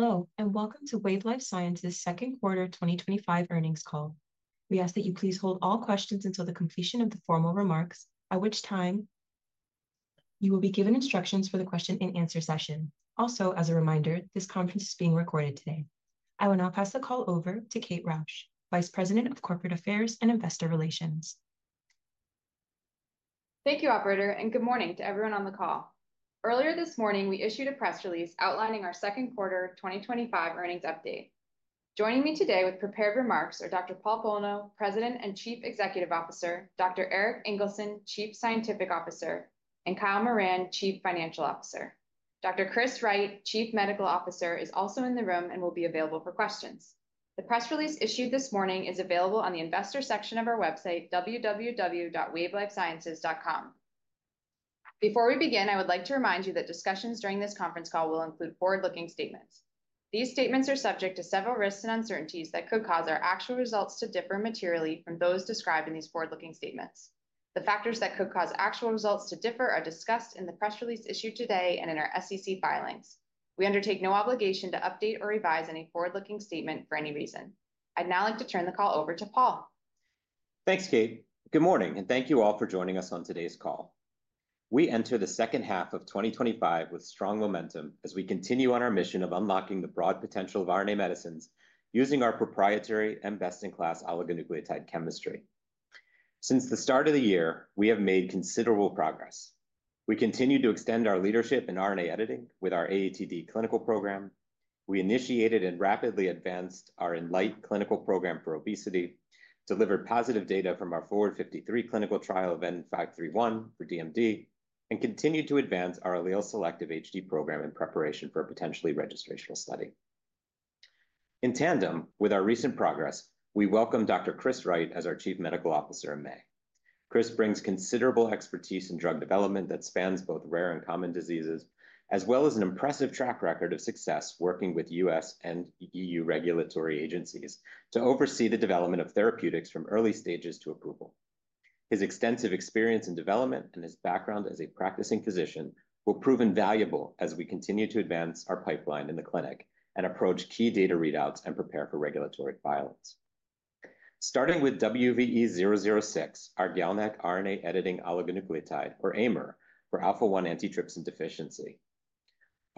Hello, and welcome to Wave Life Sciences' second quarter 2025 earnings call. We ask that you please hold all questions until the completion of the formal remarks, at which time you will be given instructions for the question and answer session. Also, as a reminder, this conference is being recorded today. I will now pass the call over to Kate Rausch, Vice President of Corporate Affairs and Investor Relations. Thank you, Operator, and good morning to everyone on the call. Earlier this morning, we issued a press release outlining our second quarter 2025 earnings update. Joining me today with prepared remarks are Dr. Paul Bolno, President and Chief Executive Officer, Dr. Erik Ingelsson, Chief Scientific Officer, and Kyle Moran, Chief Financial Officer. Dr. Chris Wright, Chief Medical Officer, is also in the room and will be available for questions. The press release issued this morning is available on the investor section of our website, www.wavelifesciences.com. Before we begin, I would like to remind you that discussions during this conference call will include forward-looking statements. These statements are subject to several risks and uncertainties that could cause our actual results to differ materially from those described in these forward-looking statements. The factors that could cause actual results to differ are discussed in the press release issued today and in our SEC filings. We undertake no obligation to update or revise any forward-looking statement for any reason. I'd now like to turn the call over to Paul. Thanks, Kate. Good morning, and thank you all for joining us on today's call. We enter the second half of 2025 with strong momentum as we continue on our mission of unlocking the broad potential of RNA medicines using our proprietary and best-in-class oligonucleotide chemistry. Since the start of the year, we have made considerable progress. We continue to extend our leadership in RNA editing with our AATD clinical program. We initiated and rapidly advanced our ENLITE clinical program for obesity, delivered positive data from our FORWARD-53 clinical trial of WVE-N531, or DMD, and continued to advance our allele-selective HD program in preparation for a potentially registrational study. In tandem with our recent progress, we welcome Dr. Chris Wright as our Chief Medical Officer in May. Chris brings considerable expertise in drug development that spans both rare and common diseases, as well as an impressive track record of success working with U.S. and EU regulatory agencies to oversee the development of therapeutics from early stages to approval. His extensive experience in development and his background as a practicing physician will prove invaluable as we continue to advance our pipeline in the clinic and approach key data readouts and prepare for regulatory filings. Starting with WVE-006, our GalNAc RNA editing oligonucleotide for alpha-1 antitrypsin deficiency.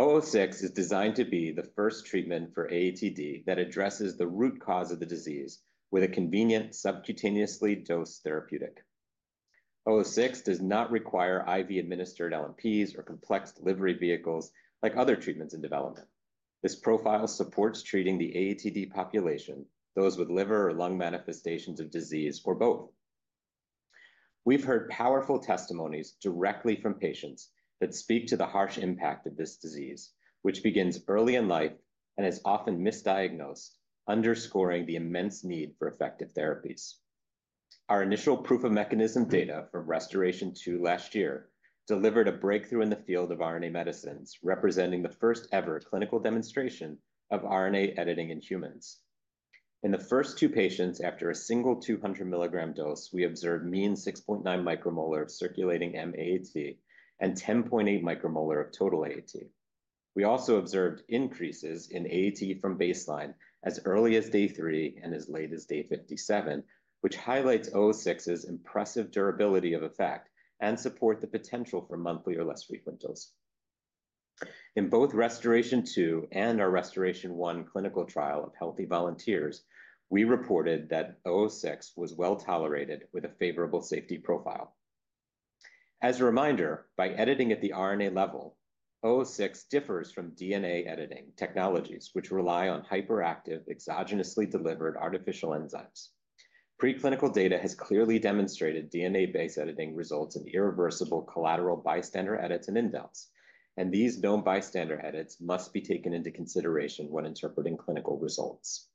WVE-006 is designed to be the first treatment for AATD that addresses the root cause of the disease with a convenient subcutaneously dosed therapeutic. WVE-006 does not require IV-administered LNPs or complex delivery vehicles like other treatments in development. This profile supports treating the AATD population, those with liver or lung manifestations of disease, or both. We've heard powerful testimonies directly from patients that speak to the harsh impact of this disease, which begins early in life and is often misdiagnosed, underscoring the immense need for effective therapies. Our initial proof-of-mechanism data from Restoration 2 last year delivered a breakthrough in the field of RNA medicines, representing the first ever clinical demonstration of RNA editing in humans. In the first two patients, after a single 200 mg dose, we observed mean 6.9 micromolar of circulating M-AAT and 10.8 micromolar of total AAT. We also observed increases in AAT from baseline as early as day three and as late as day 57, which highlights WVE-006's impressive durability of effect and supports the potential for monthly or less frequent dosing. In both Restoration 2 and our Restoration 1 clinical trial of healthy volunteers, we reported that WVE-006 was well tolerated with a favorable safety profile. As a reminder, by editing at the RNA level, WVE-006 differs from DNA editing technologies, which rely on hyperactive, exogenously delivered artificial enzymes. Preclinical data has clearly demonstrated DNA-based editing results in irreversible collateral bystander edits and indels, and these known bystander edits must be taken into consideration when interpreting clinical results.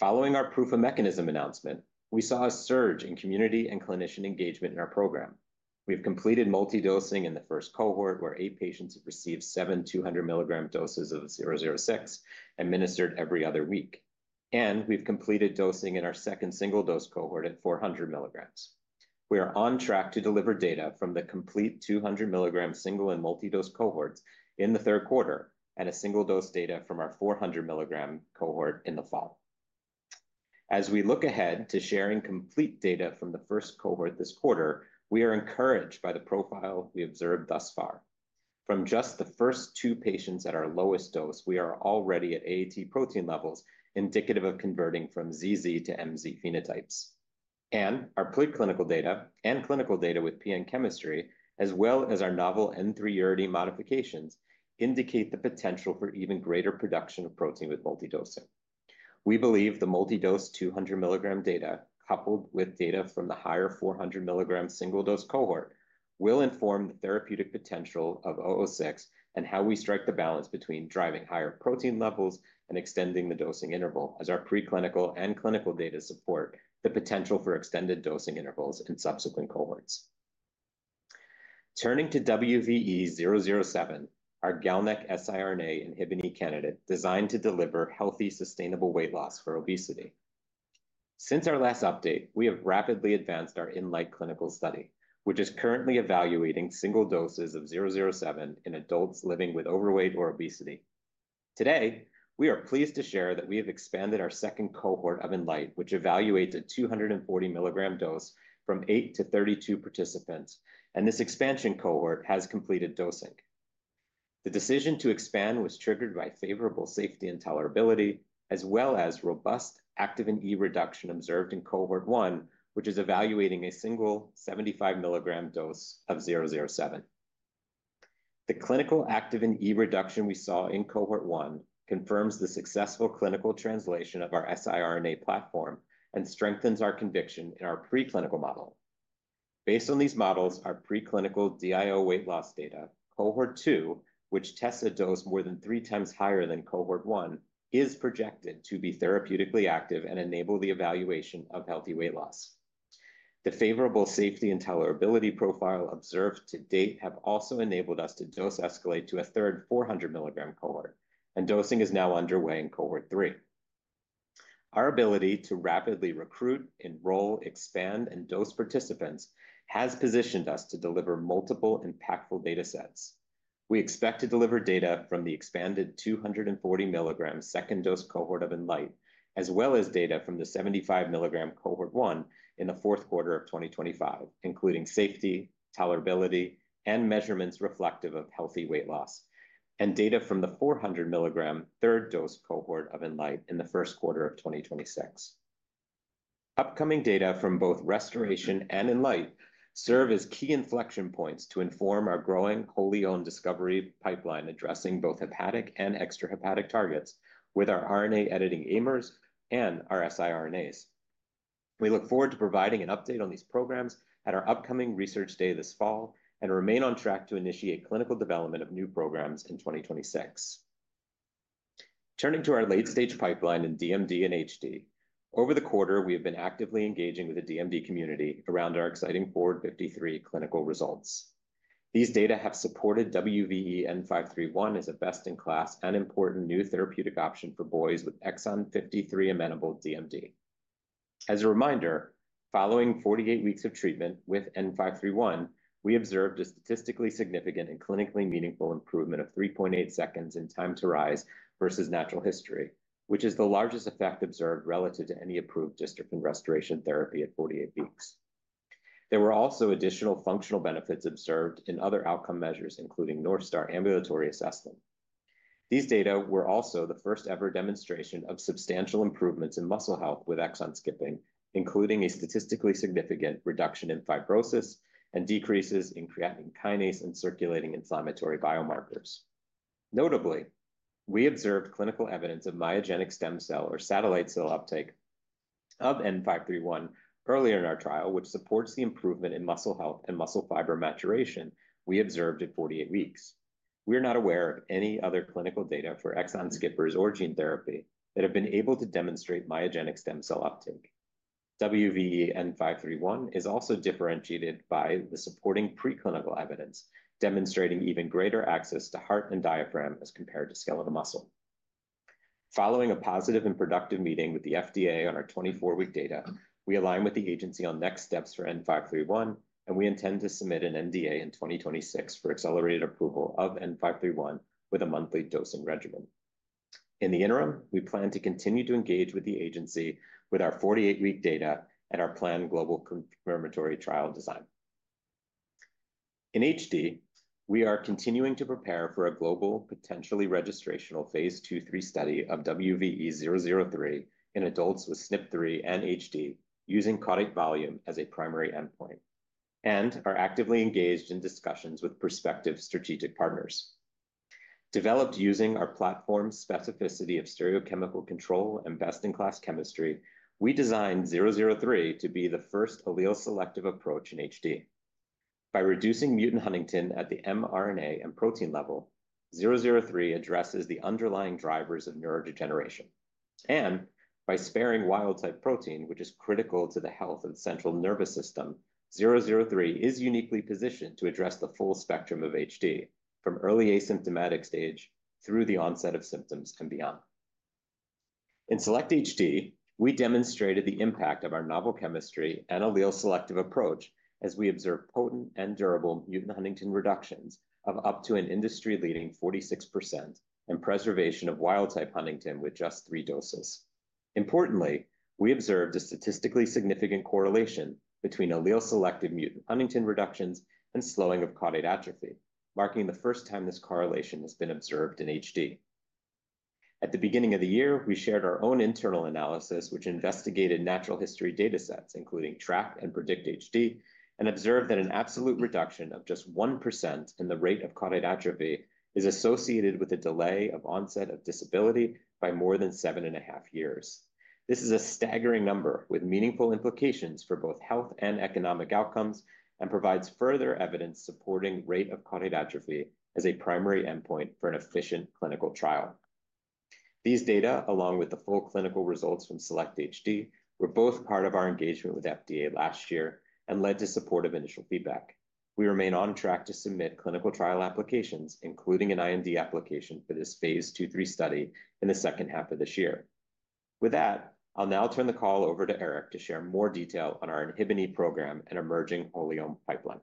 Following our PRISM mechanism announcement, we saw a surge in community and clinician engagement in our program. We've completed multi-dosing in the first cohort, where eight patients have received seven 200 mg doses of WVE-006 administered every other week, and we've completed dosing in our second single dose cohort at 400 mg. We are on track to deliver data from the complete 200 mg single and multi-dose cohorts in the third quarter and single dose data from our 400 mg cohort in the fall. As we look ahead to sharing complete data from the first cohort this quarter, we are encouraged by the profile we observed thus far. From just the first two patients at our lowest dose, we are already at AAT protein levels indicative of converting from ZZ to MZ phenotypes. Our preclinical data and clinical data with PN chemistry, as well as our novel N3urD modifications, indicate the potential for even greater production of protein with multi-dosing. We believe the multi-dose 200 mg data, coupled with data from the higher 400 mg single dose cohort, will inform the therapeutic potential of WVE-006 and how we strike the balance between driving higher protein levels and extending the dosing interval, as our preclinical and clinical data support the potential for extended dosing intervals in subsequent cohorts. Turning to WVE-007, our GalNAc siRNA candidate designed to deliver healthy, sustainable weight loss for obesity. Since our last update, we have rapidly advanced our ENLITE clinical study, which is currently evaluating single doses of WVE-007 in adults living with overweight or obesity. Today, we are pleased to share that we have expanded our second cohort of ENLITE, which evaluates a 240 mg dose from 8 to 32 participants, and this expansion cohort has completed dosing. The decision to expand was triggered by favorable safety and tolerability, as well as robust Activin E reduction observed in cohort one, which is evaluating a single 75 mg dose of WVE-007. The clinical Activin E reduction we saw in cohort one confirms the successful clinical translation of our siRNA platform and strengthens our conviction in our preclinical model. Based on these models, our preclinical DIO weight loss data, cohort two, which tests a dose more than three times higher than cohort one, is projected to be therapeutically active and enable the evaluation of healthy weight loss. The favorable safety and tolerability profile observed to date have also enabled us to dose escalate to a third 400 mg cohort, and dosing is now underway in cohort three. Our ability to rapidly recruit, enroll, expand, and dose participants has positioned us to deliver multiple impactful data sets. We expect to deliver data from the expanded 240 mg second dose cohort of ENLITE, as well as data from the 75 mg cohort one in the fourth quarter of 2025, including safety, tolerability, and measurements reflective of healthy weight loss, and data from the 400 mg third dose cohort of ENLITE in the first quarter of 2026. Upcoming data from both Restoration 2 and ENLITE serve as key inflection points to inform our growing wholly owned discovery pipeline, addressing both hepatic and extrahepatic targets with our RNA editing AMRs and our siRNAs. We look forward to providing an update on these programs at our upcoming research day this fall and remain on track to initiate clinical development of new programs in 2026. Turning to our late-stage pipeline in DMD and HD, over the quarter, we have been actively engaging with the DMD community around our exciting FORWARD-53 clinical results. These data have supported WVE-N531 as a best-in-class and important new therapeutic option for boys with exon 53 amenable DMD. As a reminder, following 48 weeks of treatment with WVE-N531, we observed a statistically significant and clinically meaningful improvement of 3.8 seconds in time to rise versus natural history, which is the largest effect observed relative to any approved dystrophin restoration therapy at 48 weeks. There were also additional functional benefits observed in other outcome measures, including North Star Ambulatory Assessment. These data were also the first ever demonstration of substantial improvements in muscle health with exon skipping, including a statistically significant reduction in fibrosis and decreases in creatine kinase and circulating inflammatory biomarkers. Notably, we observed clinical evidence of myogenic stem cell or satellite cell uptake of WVE-N531 earlier in our trial, which supports the improvement in muscle health and muscle fiber maturation we observed at 48 weeks. We are not aware of any other clinical data for exon skippers or gene therapy that have been able to demonstrate myogenic stem cell uptake. WVE-N531 is also differentiated by the supporting preclinical evidence, demonstrating even greater access to heart and diaphragm as compared to skeletal muscle. Following a positive and productive meeting with the FDA on our 24-week data, we align with the agency on next steps for WVE-N531, and we intend to submit an NDA in 2026 for accelerated approval of WVE-N531 with a monthly dosing regimen. In the interim, we plan to continue to engage with the agency with our 48-week data and our planned global confirmatory trial design. In HD, we are continuing to prepare for a global, potentially registrational Phase 2/3 study of WVE-003 in adults with SNP3 and HD, using caudate volume as a primary endpoint, and are actively engaged in discussions with prospective strategic partners. Developed using our platform's specificity of stereochemical control and best-in-class chemistry, we designed WVE-003 to be the first allele-selective approach in HD. By reducing mutant Huntington at the mRNA and protein level, WVE-003 addresses the underlying drivers of neurodegeneration. By sparing wild type protein, which is critical to the health of the central nervous system, WVE-003 is uniquely positioned to address the full spectrum of HD, from early asymptomatic stage through the onset of symptoms and beyond. In SELECT-HD, we demonstrated the impact of our novel chemistry and allele-selective approach as we observed potent and durable mutant Huntington reductions of up to an industry-leading 46% and preservation of wild type Huntington with just three doses. Importantly, we observed a statistically significant correlation between allele-selective mutant Huntington reductions and slowing of caudate atrophy, marking the first time this correlation has been observed in HD. At the beginning of the year, we shared our own internal analysis, which investigated natural history data sets, including TRACK-HD and PREDICT-HD, and observed that an absolute reduction of just 1% in the rate of caudate atrophy is associated with a delay of onset of disability by more than seven and a half years. This is a staggering number with meaningful implications for both health and economic outcomes and provides further evidence supporting the rate of caudate atrophy as a primary endpoint for an efficient clinical trial. These data, along with the full clinical results from SELECT-HD, were both part of our engagement with the FDA last year and led to supportive initial feedback. We remain on track to submit clinical trial applications, including an IND application for this Phase 2/3 study in the second half of this year. With that, I'll now turn the call over to Erik to share more detail on our wholly owned pipeline.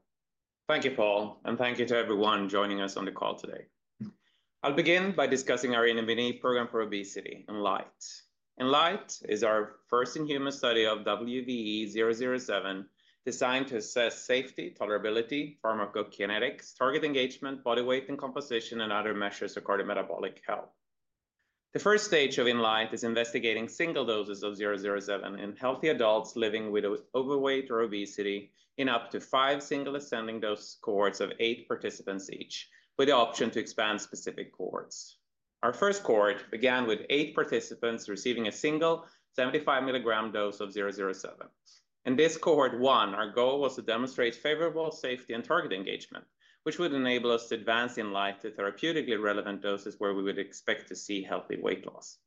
Thank you, Paul, and thank you to everyone joining us on the call today. I'll begin by discussing our program for obesity, ENLITE. ENLITE is our first in-human study of WVE-007 designed to assess safety, tolerability, pharmacokinetics, target engagement, body weight and composition, and other measures of cardiometabolic health. The first stage of ENLITE is investigating single doses of WVE-007 in healthy adults living with overweight or obesity in up to five single ascending dose cohorts of eight participants each, with the option to expand specific cohorts. Our first cohort began with eight participants receiving a single 75 mg dose of WVE-007. In this cohort one, our goal was to demonstrate favorable safety and target engagement, which would enable us to advance ENLITE to therapeutically relevant doses where we would expect to see healthy weight loss.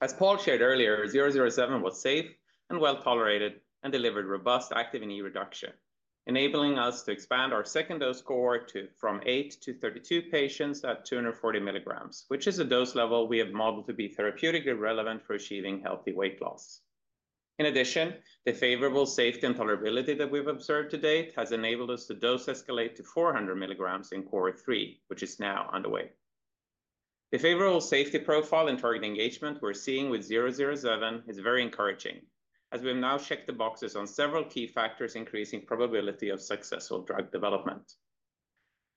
As Paul shared earlier, WVE-007 was safe and well tolerated and delivered robust Activin E reduction, enabling us to expand our second dose cohort from eight to 32 patients at 240 mg, which is a dose level we have modeled to be therapeutically relevant for achieving healthy weight loss. In addition, the favorable safety and tolerability that we've observed to date has enabled us to dose escalate to 400 mg in cohort three, which is now underway. The favorable safety profile and target engagement we're seeing with WVE-007 is very encouraging, as we've now checked the boxes on several key factors increasing the probability of successful drug development.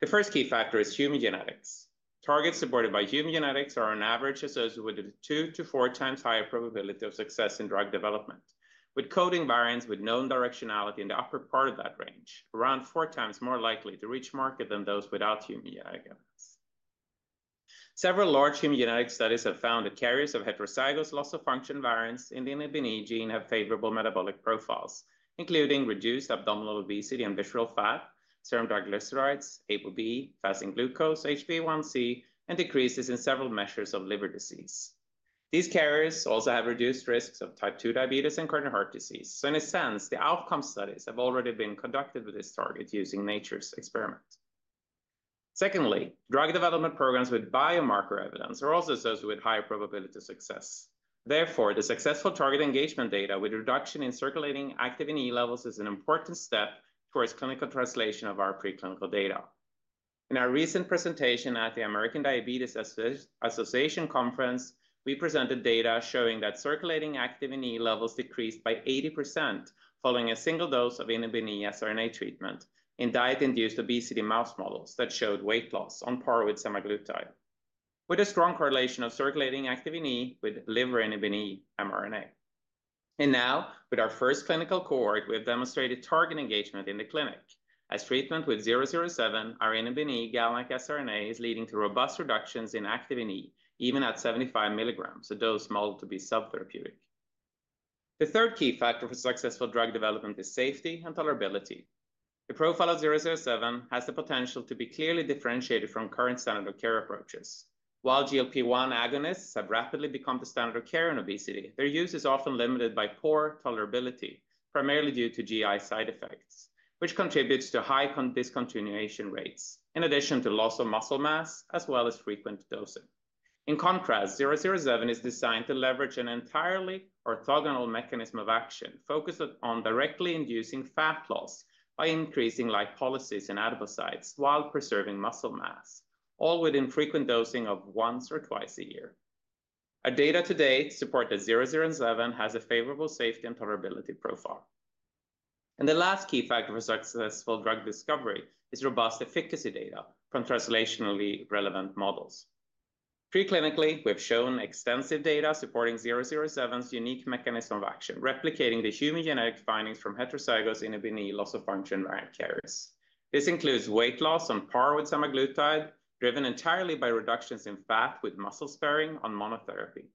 The first key factor is human genetics. Targets supported by human genetics are, on average, associated with a two to four times higher probability of success in drug development, with coding variants with known directionality in the upper part of that range around four times more likely to reach market than those without human genetics. Several large human genetic studies have found that carriers of heterozygous loss of function variants in the relevant gene have favorable metabolic profiles, including reduced abdominal obesity and visceral fat, serum triglycerides, ApoB, fasting glucose, HbA1c, and decreases in several measures of liver disease. These carriers also have reduced risks of type 2 diabetes and coronary heart disease. In a sense, the outcome studies have already been conducted with this target using Nature's experiments. Secondly, drug development programs with biomarker evidence are also associated with higher probability of success. Therefore, the successful target engagement data with reduction in circulating Inhibin E levels is an important step towards clinical translation of our preclinical data. In our recent presentation at the American Diabetes Association conference, we presented data showing that circulating Inhibin E levels decreased by 80% following a single dose of Inhibin E siRNA treatment in diet-induced obesity mouse models that showed weight loss on par with semaglutide, with a strong correlation of circulating Inhibin E with liver Inhibin E mRNA. Now, with our first clinical cohort, we've demonstrated target engagement in the clinic as treatment with WVE-007 Inhibin E GalNAc siRNA is leading to robust reductions in Activin E, even at 75 mg, a dose modeled to be subtherapeutic. The third key factor for successful drug development is safety and tolerability. The profile of WVE-007 has the potential to be clearly differentiated from current standard of care approaches. While GLP-1 agonists have rapidly become the standard of care in obesity, their use is often limited by poor tolerability, primarily due to GI side effects, which contributes to high discontinuation rates, in addition to loss of muscle mass, as well as frequent dosing. In contrast, WVE-007 is designed to leverage an entirely orthogonal mechanism of action focused on directly inducing fat loss by increasing lipolysis in adipocytes while preserving muscle mass, all with infrequent dosing of once or twice a year. Our data to date support that WVE-007 has a favorable safety and tolerability profile. The last key factor for successful drug discovery is robust efficacy data from translationally relevant models. Preclinically, we've shown extensive data supporting WVE-007's unique mechanism of action, replicating the human genetic findings from heterozygous Inhibin E loss of function variant carriers. This includes weight loss on par with semaglutide, driven entirely by reductions in fat with muscle sparing on monotherapy,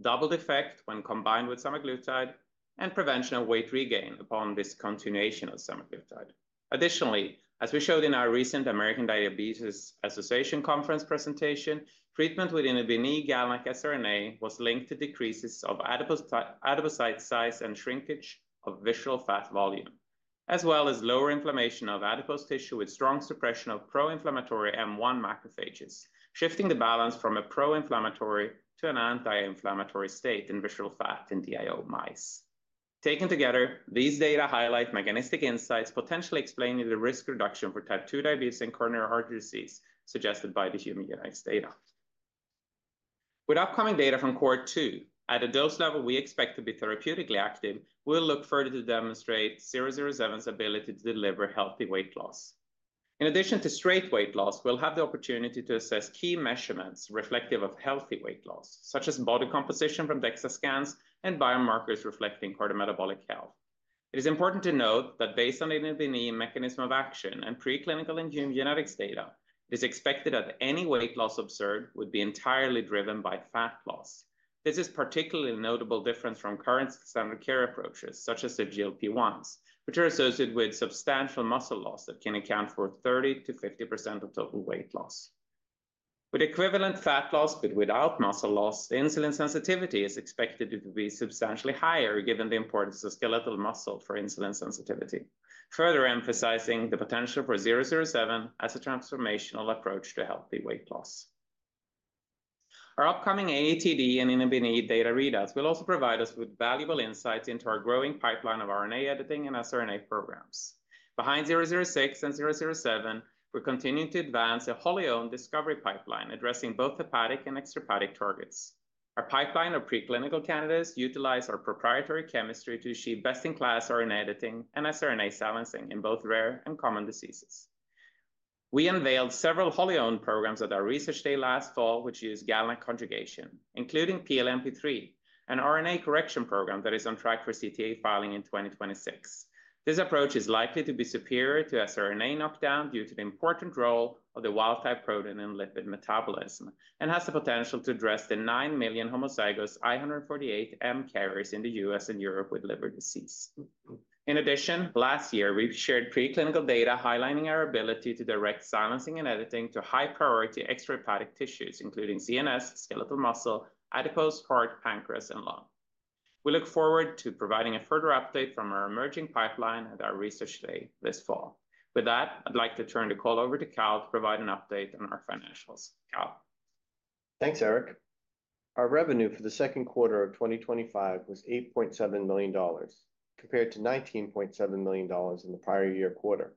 double effect when combined with semaglutide, and prevention of weight regain upon discontinuation of semaglutide. Additionally, as we showed in our recent American Diabetes Association conference presentation, treatment with Inhibin E GalNAc siRNA was linked to decreases of adipocyte size and shrinkage of visceral fat volume, as well as lower inflammation of adipose tissue with strong suppression of pro-inflammatory M1 macrophages, shifting the balance from a pro-inflammatory to an anti-inflammatory state in visceral fat in DIO mice. Taken together, these data highlight mechanistic insights potentially explaining the risk reduction for type 2 diabetes and coronary artery disease suggested by the human genetics data. With upcoming data from cohort 2, at a dose level we expect to be therapeutically active, we'll look further to demonstrate 007's ability to deliver healthy weight loss. In addition to straight weight loss, we'll have the opportunity to assess key measurements reflective of healthy weight loss, such as body composition from DEXA scans and biomarkers reflecting cardiometabolic health. It is important to note that based on the Inhibin E mechanism of action and preclinical and human genetics data, it is expected that any weight loss observed would be entirely driven by fat loss. This is a particularly notable difference from current standard of care approaches, such as the GLP-1s, which are associated with substantial muscle loss that can account for 30%-50% of total weight loss. With equivalent fat loss, but without muscle loss, insulin sensitivity is expected to be substantially higher, given the importance of skeletal muscle for insulin sensitivity, further emphasizing the potential for 007 as a transformational approach to healthy weight loss. Our upcoming AATD and Inhibin data readouts will also provide us with valuable insights into our growing pipeline of RNA editing and siRNA programs. Behind 006 and 007, we're continuing to advance a wholly owned discovery pipeline addressing both hepatic and extrahepatic targets. Our pipeline of preclinical candidates utilizes our proprietary chemistry to achieve best-in-class RNA editing and siRNA sequencing in both rare and common diseases. We unveiled several wholly owned programs at our research day last fall, which use GalNAc conjugation, including PNPLA3, an RNA correction program that is on track for CTA filing in 2026. This approach is likely to be superior to siRNA knockdown due to the important role of the wild type protein in lipid metabolism and has the potential to address the 9 million homozygous I148M carriers in the U.S. and Europe with liver disease. In addition, last year, we've shared preclinical data highlighting our ability to direct sequencing and editing to high priority extrahepatic tissues, including CNS, skeletal muscle, adipose, heart, pancreas, and lung. We look forward to providing a further update from our emerging pipeline at our research day this fall. With that, I'd like to turn the call over to Kyle to provide an update on our financials. Kyle. Thanks, Erik. Our revenue for the second quarter of 2025 was $8.7 million, compared to $19.7 million in the prior year quarter.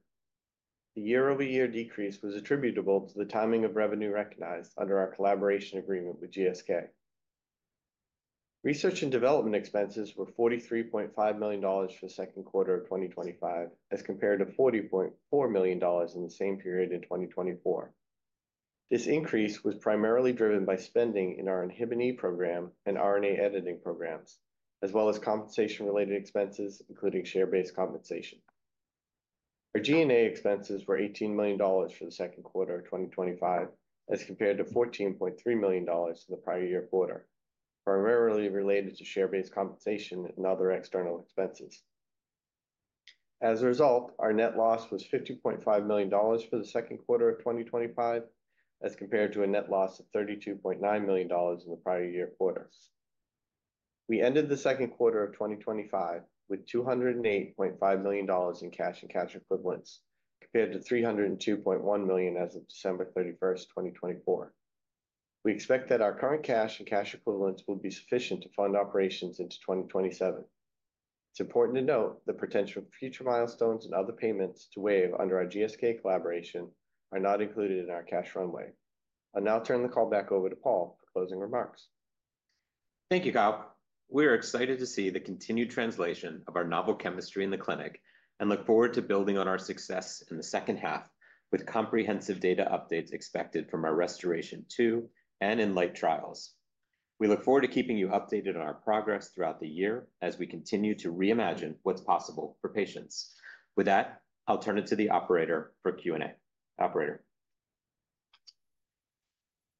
The year-over-year decrease was attributable to the timing of revenue recognized under our collaboration agreement with GSK. Research and development expenses were $43.5 million for the second quarter of 2025, as compared to $40.4 million in the same period in 2024. This increase was primarily driven by spending in our RNA editing programs, as well as compensation-related expenses, including share-based compensation. Our G&A expenses were $18 million for the second quarter of 2025, as compared to $14.3 million for the prior year quarter, primarily related to share-based compensation and other external expenses. As a result, our net loss was $50.5 million for the second quarter of 2025, as compared to a net loss of $32.9 million in the prior year quarter. We ended the second quarter of 2025 with $208.5 million in cash and cash equivalents, compared to $302.1 million as of December 31, 2024. We expect that our current cash and cash equivalents will be sufficient to fund operations into 2027. It's important to note the potential for future milestones and other payments to Wave under our GSK collaboration are not included in our cash runway. I'll now turn the call back over to Paul for closing remarks. Thank you, Kyle. We are excited to see the continued translation of our novel chemistry in the clinic and look forward to building on our success in the second half, with comprehensive data updates expected from our Restoration 2 and ENLITE trials. We look forward to keeping you updated on our progress throughout the year as we continue to reimagine what's possible for patients. With that, I'll turn it to the Operator for Q&A. Operator.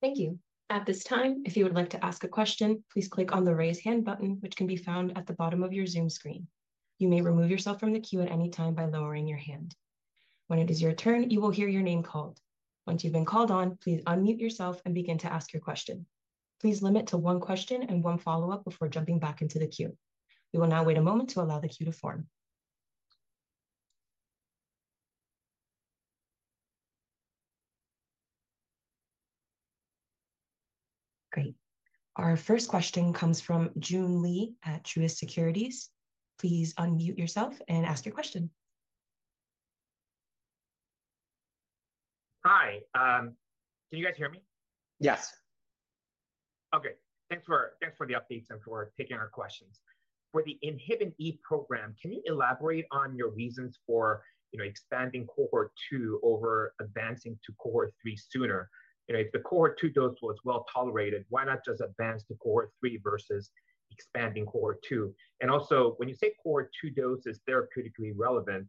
Thank you. At this time, if you would like to ask a question, please click on the raise hand button, which can be found at the bottom of your Zoom screen. You may remove yourself from the queue at any time by lowering your hand. When it is your turn, you will hear your name called. Once you've been called on, please unmute yourself and begin to ask your question. Please limit to one question and one follow-up before jumping back into the queue. We will now wait a moment to allow the queue to form. Great. Our first question comes from Joon Lee at Truist Securities. Please unmute yourself and ask your question. Hi, can you guys hear me? Yes. Oh, good. Thanks for the updates and for taking our questions. For the WVE-007 program, can you elaborate on your reasons for expanding cohort two over advancing to cohort three sooner? If the cohort two dose was well tolerated, why not just advance to cohort three versus expanding cohort two? Also, when you say cohort two dose is therapeutically relevant,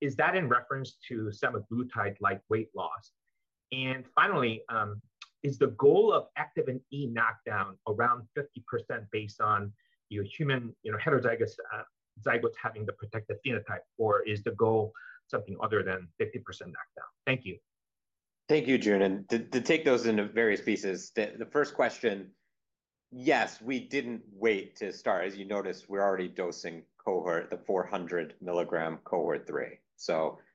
is that in reference to semaglutide-like weight loss? Finally, is the goal of ACTN3 knockdown around 50% based on human heterozygous having the protective phenotype, or is the goal something other than 50% knockdown? Thank you. Thank you, Joon. To take those into various pieces, the first question, yes, we didn't wait to start. As you noticed, we're already dosing the 400 mg cohort three.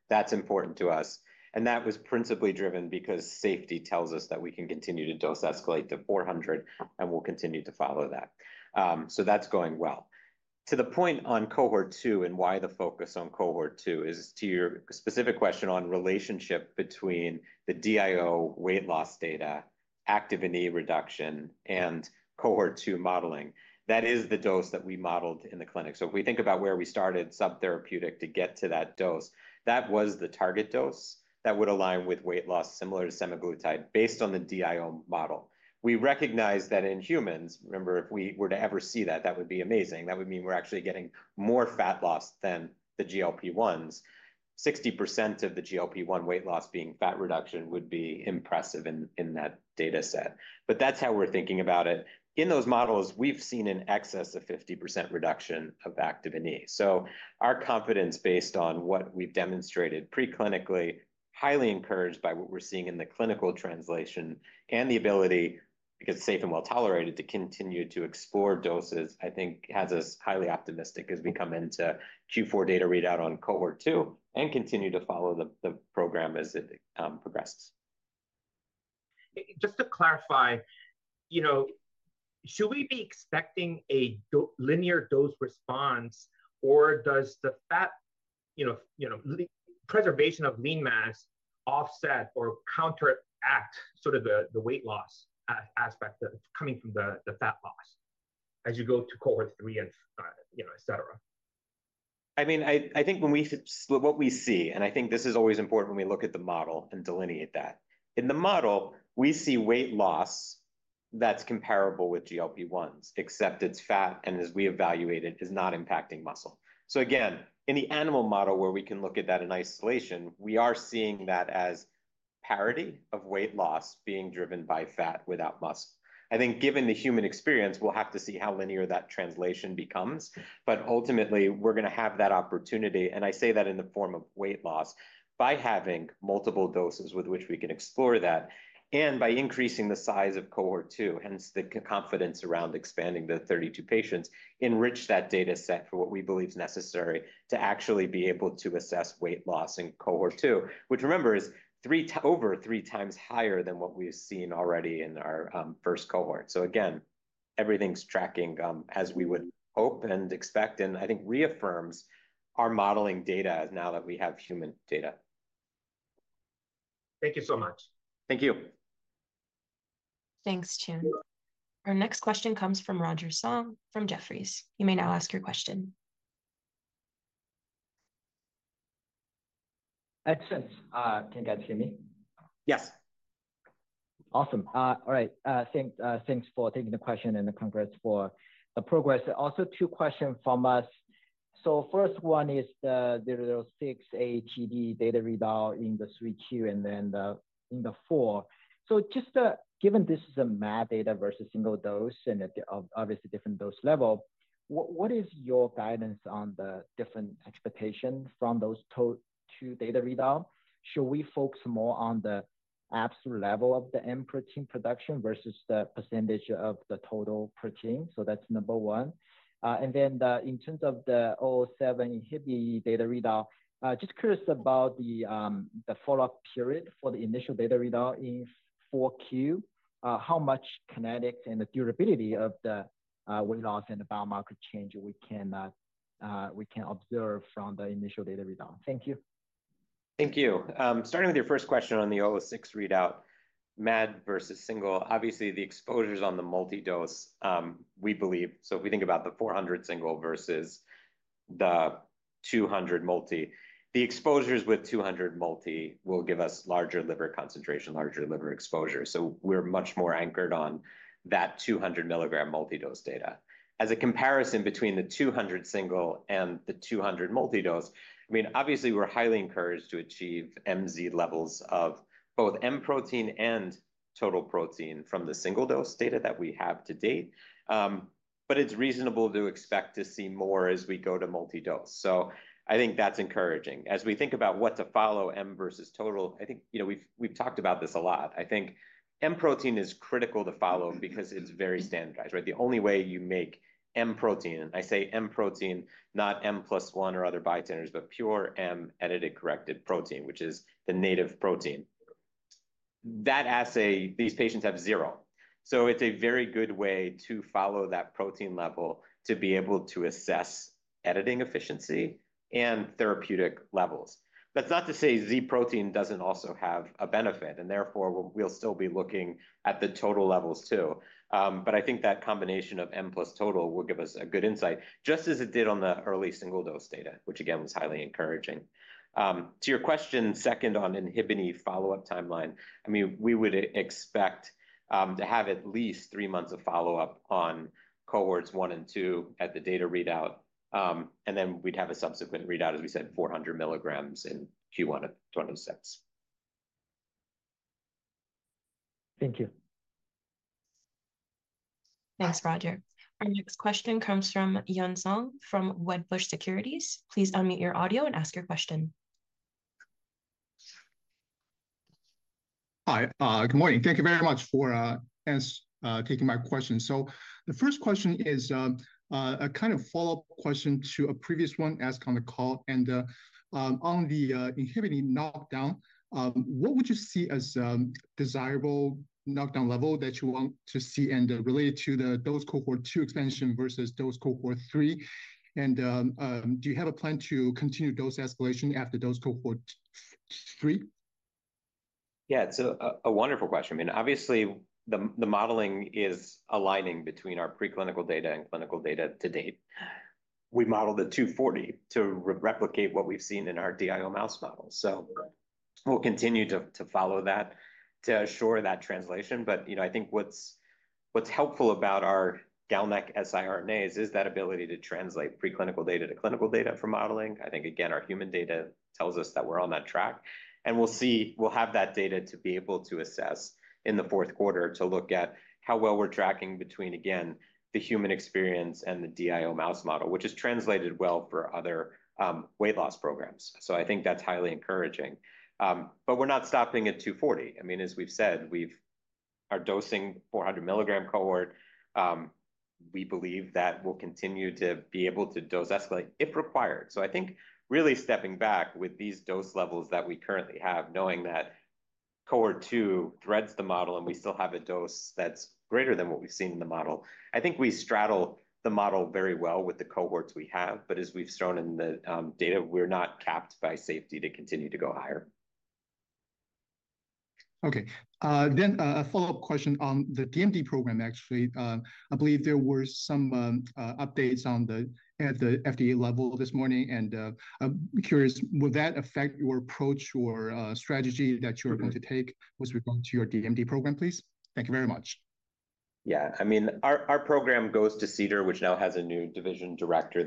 That's important to us. That was principally driven because safety tells us that we can continue to dose escalate to 400, and we'll continue to follow that. That's going well. To the point on cohort two and why the focus on cohort two is to your specific question on relationship between the DIO weight loss data, Activin E reduction, and cohort two modeling. That is the dose that we modeled in the clinic. If we think about where we started subtherapeutic to get to that dose, that was the target dose that would align with weight loss similar to semaglutide based on the DIO model. We recognize that in humans, remember, if we were to ever see that, that would be amazing. That would mean we're actually getting more fat loss than the GLP-1s. 60% of the GLP-1 weight loss being fat reduction would be impressive in that data set. That's how we're thinking about it. In those models, we've seen an excess of 50% reduction of Activin E. Our confidence based on what we've demonstrated preclinically, highly encouraged by what we're seeing in the clinical translation and the ability, if it's safe and well tolerated, to continue to explore doses, I think, has us highly optimistic as we come into Q4 data readout on cohort two and continue to follow the program as it progresses. Just to clarify, should we be expecting a linear dose response, or does the fat preservation of lean mass offset or counteract the weight loss aspect coming from the fat loss as you go to cohort three and et cetera? I mean, I think when we what we see, and I think this is always important when we look at the model and delineate that. In the model, we see weight loss that's comparable with GLP-1s, except it's fat, and as we evaluated, is not impacting muscle. Again, in the animal model where we can look at that in isolation, we are seeing that as parity of weight loss being driven by fat without muscle. I think given the human experience, we'll have to see how linear that translation becomes. Ultimately, we're going to have that opportunity, and I say that in the form of weight loss, by having multiple doses with which we can explore that and by increasing the size of cohort two, hence the confidence around expanding to 32 patients, enrich that data set for what we believe is necessary to actually be able to assess weight loss in cohort two, which remember is over three times higher than what we've seen already in our first cohort. Again, everything's tracking as we would hope and expect, and I think reaffirms our modeling data now that we have human data. Thank you so much. Thank you. Thanks, Joon. Our next question comes from Roger Song from Jefferies. You may now ask your question. Excellent. Can you guys hear me? Yes. Awesome. All right. Thanks for taking the question and the congrats for the progress. Also, two questions from us. First one is the WVE-006 AATD data readout in the third quarter and then in the fourth. Just given this is a MAD data versus single dose and obviously different dose level, what is your guidance on the different expectations from those two data readouts? Should we focus more on the absolute level of the end protein production versus the % of the total protein? That's number one. In terms of the WVE-007 data readout, just curious about the follow-up period for the initial data readout in the fourth quarter. How much kinetics and the durability of the weight loss and the biomarker change we can observe from the initial data readout? Thank you. Thank you. Starting with your first question on the WVE-006 readout, MAD versus single, obviously the exposures on the multi-dose, we believe. If we think about the 400 single versus the 200 multi, the exposures with 200 multi will give us larger liver concentration, larger liver exposure. We are much more anchored on that 200 mg multi-dose data. As a comparison between the 200 single and the 200 multi-dose, we are highly encouraged to achieve MZ levels of both M protein and total protein from the single dose data that we have to date. It is reasonable to expect to see more as we go to multi-dose. I think that's encouraging. As we think about what to follow, M versus total, I think we've talked about this a lot. I think M protein is critical to follow because it's very standardized. The only way you make M protein, and I say M protein, not M plus one or other variants, but pure M edited corrected protein, which is the native protein. That assay, these patients have zero. It is a very good way to follow that protein level to be able to assess editing efficiency and therapeutic levels. That's not to say Z protein doesn't also have a benefit, and therefore we'll still be looking at the total levels too. I think that combination of M plus total will give us a good insight, just as it did on the early single dose data, which again was highly encouraging. To your question, second on follow-up timeline, we would expect to have at least three months of follow-up on cohorts one and two at the data readout. We would have a subsequent readout, as we said, 400 mg in Q1 of 2026. Thank you. Thanks, Roger. Our next question comes from Yun Zhong from Wedbush Securities. Please unmute your audio and ask your question. Hi. Good morning. Thank you very much for taking my question. The first question is a kind of follow-up question to a previous one asked on the call. On the knockdown, what would you see as a desirable knockdown level that you want to see and relate to the dose cohort two expansion versus dose cohort three? Do you have a plan to continue dose escalation after dose cohort three? Yeah, a wonderful question. Obviously, the modeling is aligning between our preclinical data and clinical data to date. We modeled at 240 to replicate what we've seen in our DIO mouse model. We'll continue to follow that to assure that translation. I think what's helpful about our GalNAc siRNAs is that ability to translate preclinical data to clinical data for modeling. Again, our human data tells us that we're on that track. We'll have that data to be able to assess in the fourth quarter to look at how well we're tracking between the human experience and the DIO mouse model, which has translated well for other weight loss programs. I think that's highly encouraging. We're not stopping at 240. As we've said, our dosing 400 mg cohort, we believe that we'll continue to be able to dose escalate if required. Really stepping back with these dose levels that we currently have, knowing that cohort two threads the model and we still have a dose that's greater than what we've seen in the model, I think we straddle the model very well with the cohorts we have. As we've shown in the data, we're not capped by safety to continue to go higher. A follow-up question on the DMD program, actually. I believe there were some updates at the FDA level this morning. I'm curious, will that affect your approach or strategy that you're going to take with regard to your DMD program, please? Thank you very much. Yeah, I mean, our program goes to CDER, which now has a new division director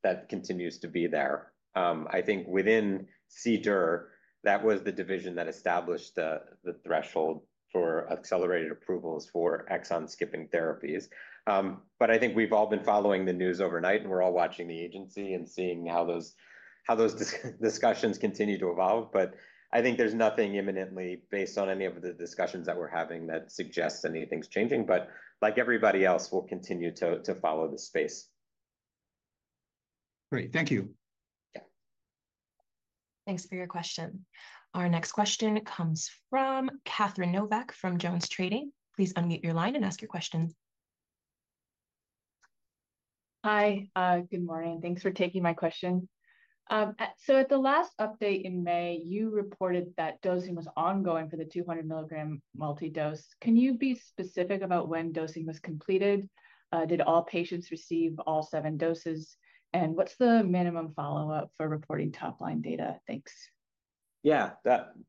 that continues to be there. I think within CDER, that was the division that established the threshold for accelerated approvals for exon skipping therapies. I think we've all been following the news overnight, and we're all watching the agency and seeing how those discussions continue to evolve. I think there's nothing imminently based on any of the discussions that we're having that suggests anything's changing. Like everybody else, we'll continue to follow this space. Great. Thank you. Thanks for your question. Our next question comes from Catherine Novack from Jones Trading. Please unmute your line and ask your question. Hi. Good morning. Thanks for taking my question. At the last update in May, you reported that dosing was ongoing for the 200 mg multi-dose. Can you be specific about when dosing was completed? Did all patients receive all seven doses? What's the minimum follow-up for reporting top-line data? Thanks.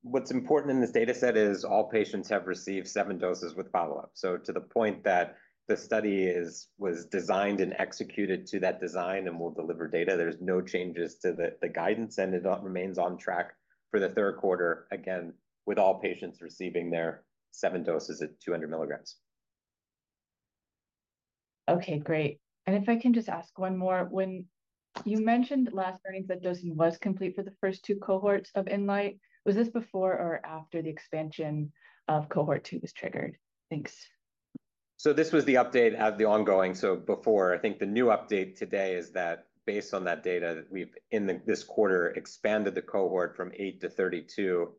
What's important in this data set is all patients have received seven doses with follow-up. To the point that the study was designed and executed to that design and will deliver data, there's no changes to the guidance, and it remains on track for the third quarter, again, with all patients receiving their seven doses at 200 mg. OK, great. If I can just ask one more, when you mentioned last earnings that dosing was complete for the first two cohorts of ENLITE, was this before or after the expansion of cohort two was triggered? Thanks. This was the update of the ongoing. I think the new update today is that based on that data, we've in this quarter expanded the cohort from 8 to 32.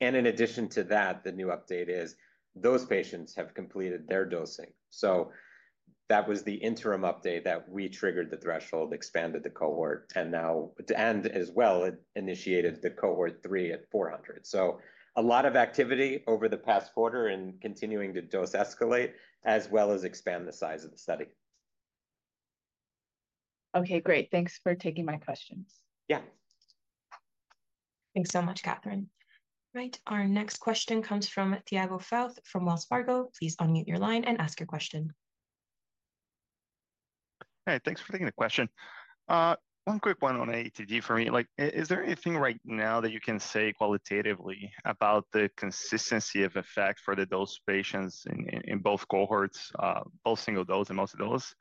In addition to that, the new update is those patients have completed their dosing. That was the interim update that we triggered the threshold, expanded the cohort, and as well, it initiated the cohort three at 400. A lot of activity over the past quarter and continuing to dose escalate, as well as expand the size of the study. OK, great. Thanks for taking my questions. Yeah. Thanks so much, Catherine. All right. Our next question comes from Tiago Faut from Wells Fargo. Please unmute your line and ask your question. All right. Thanks for taking the question. One quick one on AATD for me. Is there anything right now that you can say qualitatively about the consistency of effect for the dose patients in both cohorts, both single dose and multi-dose?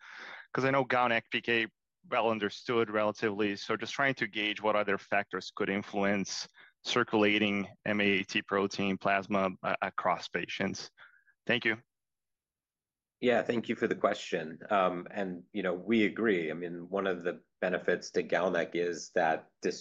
I know GalNAc PK well understood relatively. Just trying to gauge what other factors could influence circulating AAT protein plasma across patients. Thank you. Yeah, thank you for the question. We agree. I mean, one of the benefits to GalNAc is that the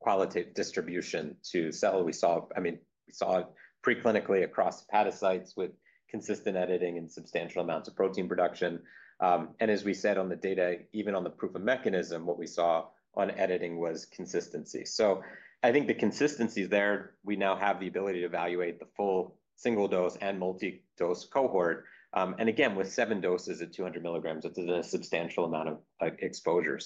qualitative distribution to cell we saw, I mean, we saw it preclinically across hepatocytes with consistent editing and substantial amounts of protein production. As we said on the data, even on the proof of mechanism, what we saw on editing was consistency. I think the consistency is there. We now have the ability to evaluate the full single dose and multi-dose cohort. With seven doses at 200 mg, that's a substantial amount of exposure.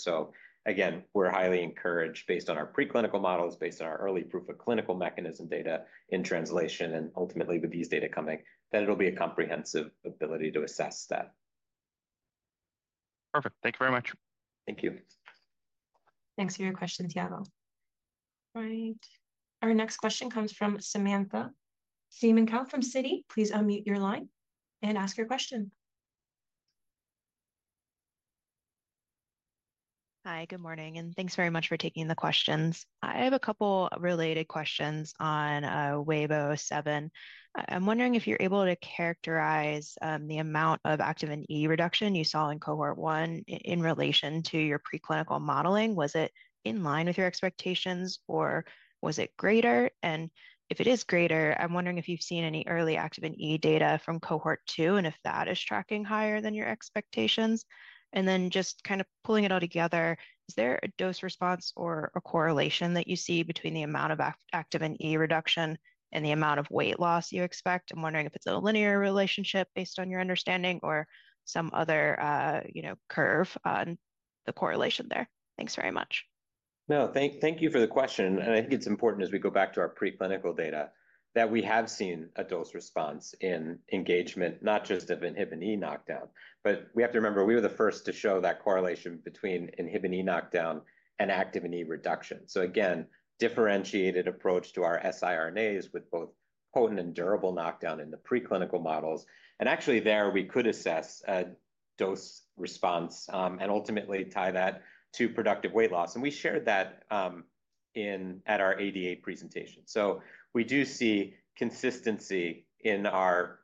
We are highly encouraged based on our preclinical models, based on our early proof of clinical mechanism data in translation, and ultimately with these data coming, that it'll be a comprehensive ability to assess that. Perfect. Thank you very much. Thank you. Thanks for your question, Tiago. Our next question comes from Samantha Semenkow from Citi, please unmute your line and ask your question. Hi. Good morning. Thanks very much for taking the questions. I have a couple related questions on WVE-007. I'm wondering if you're able to characterize the amount of Activin E reduction you saw in cohort one in relation to your preclinical modeling. Was it in line with your expectations, or was it greater? If it is greater, I'm wondering if you've seen any early Activin E data from cohort two and if that is tracking higher than your expectations. Just kind of pulling it all together, is there a dose response or a correlation that you see between the amount of Activin E reduction and the amount of weight loss you expect? I'm wondering if it's a linear relationship based on your understanding or some other curve on the correlation there. Thanks very much. Thank you for the question. I think it's important as we go back to our preclinical data that we have seen a dose response in engagement, not just of Inhibin E knockdown. We have to remember we were the first to show that correlation between Inhibin E knockdown and Activin E reduction. Again, differentiated approach to our siRNAs with both potent and durable knockdown in the preclinical models. Actually, there we could assess a dose response and ultimately tie that to productive weight loss. We shared that at our ADA presentation. We do see consistency in our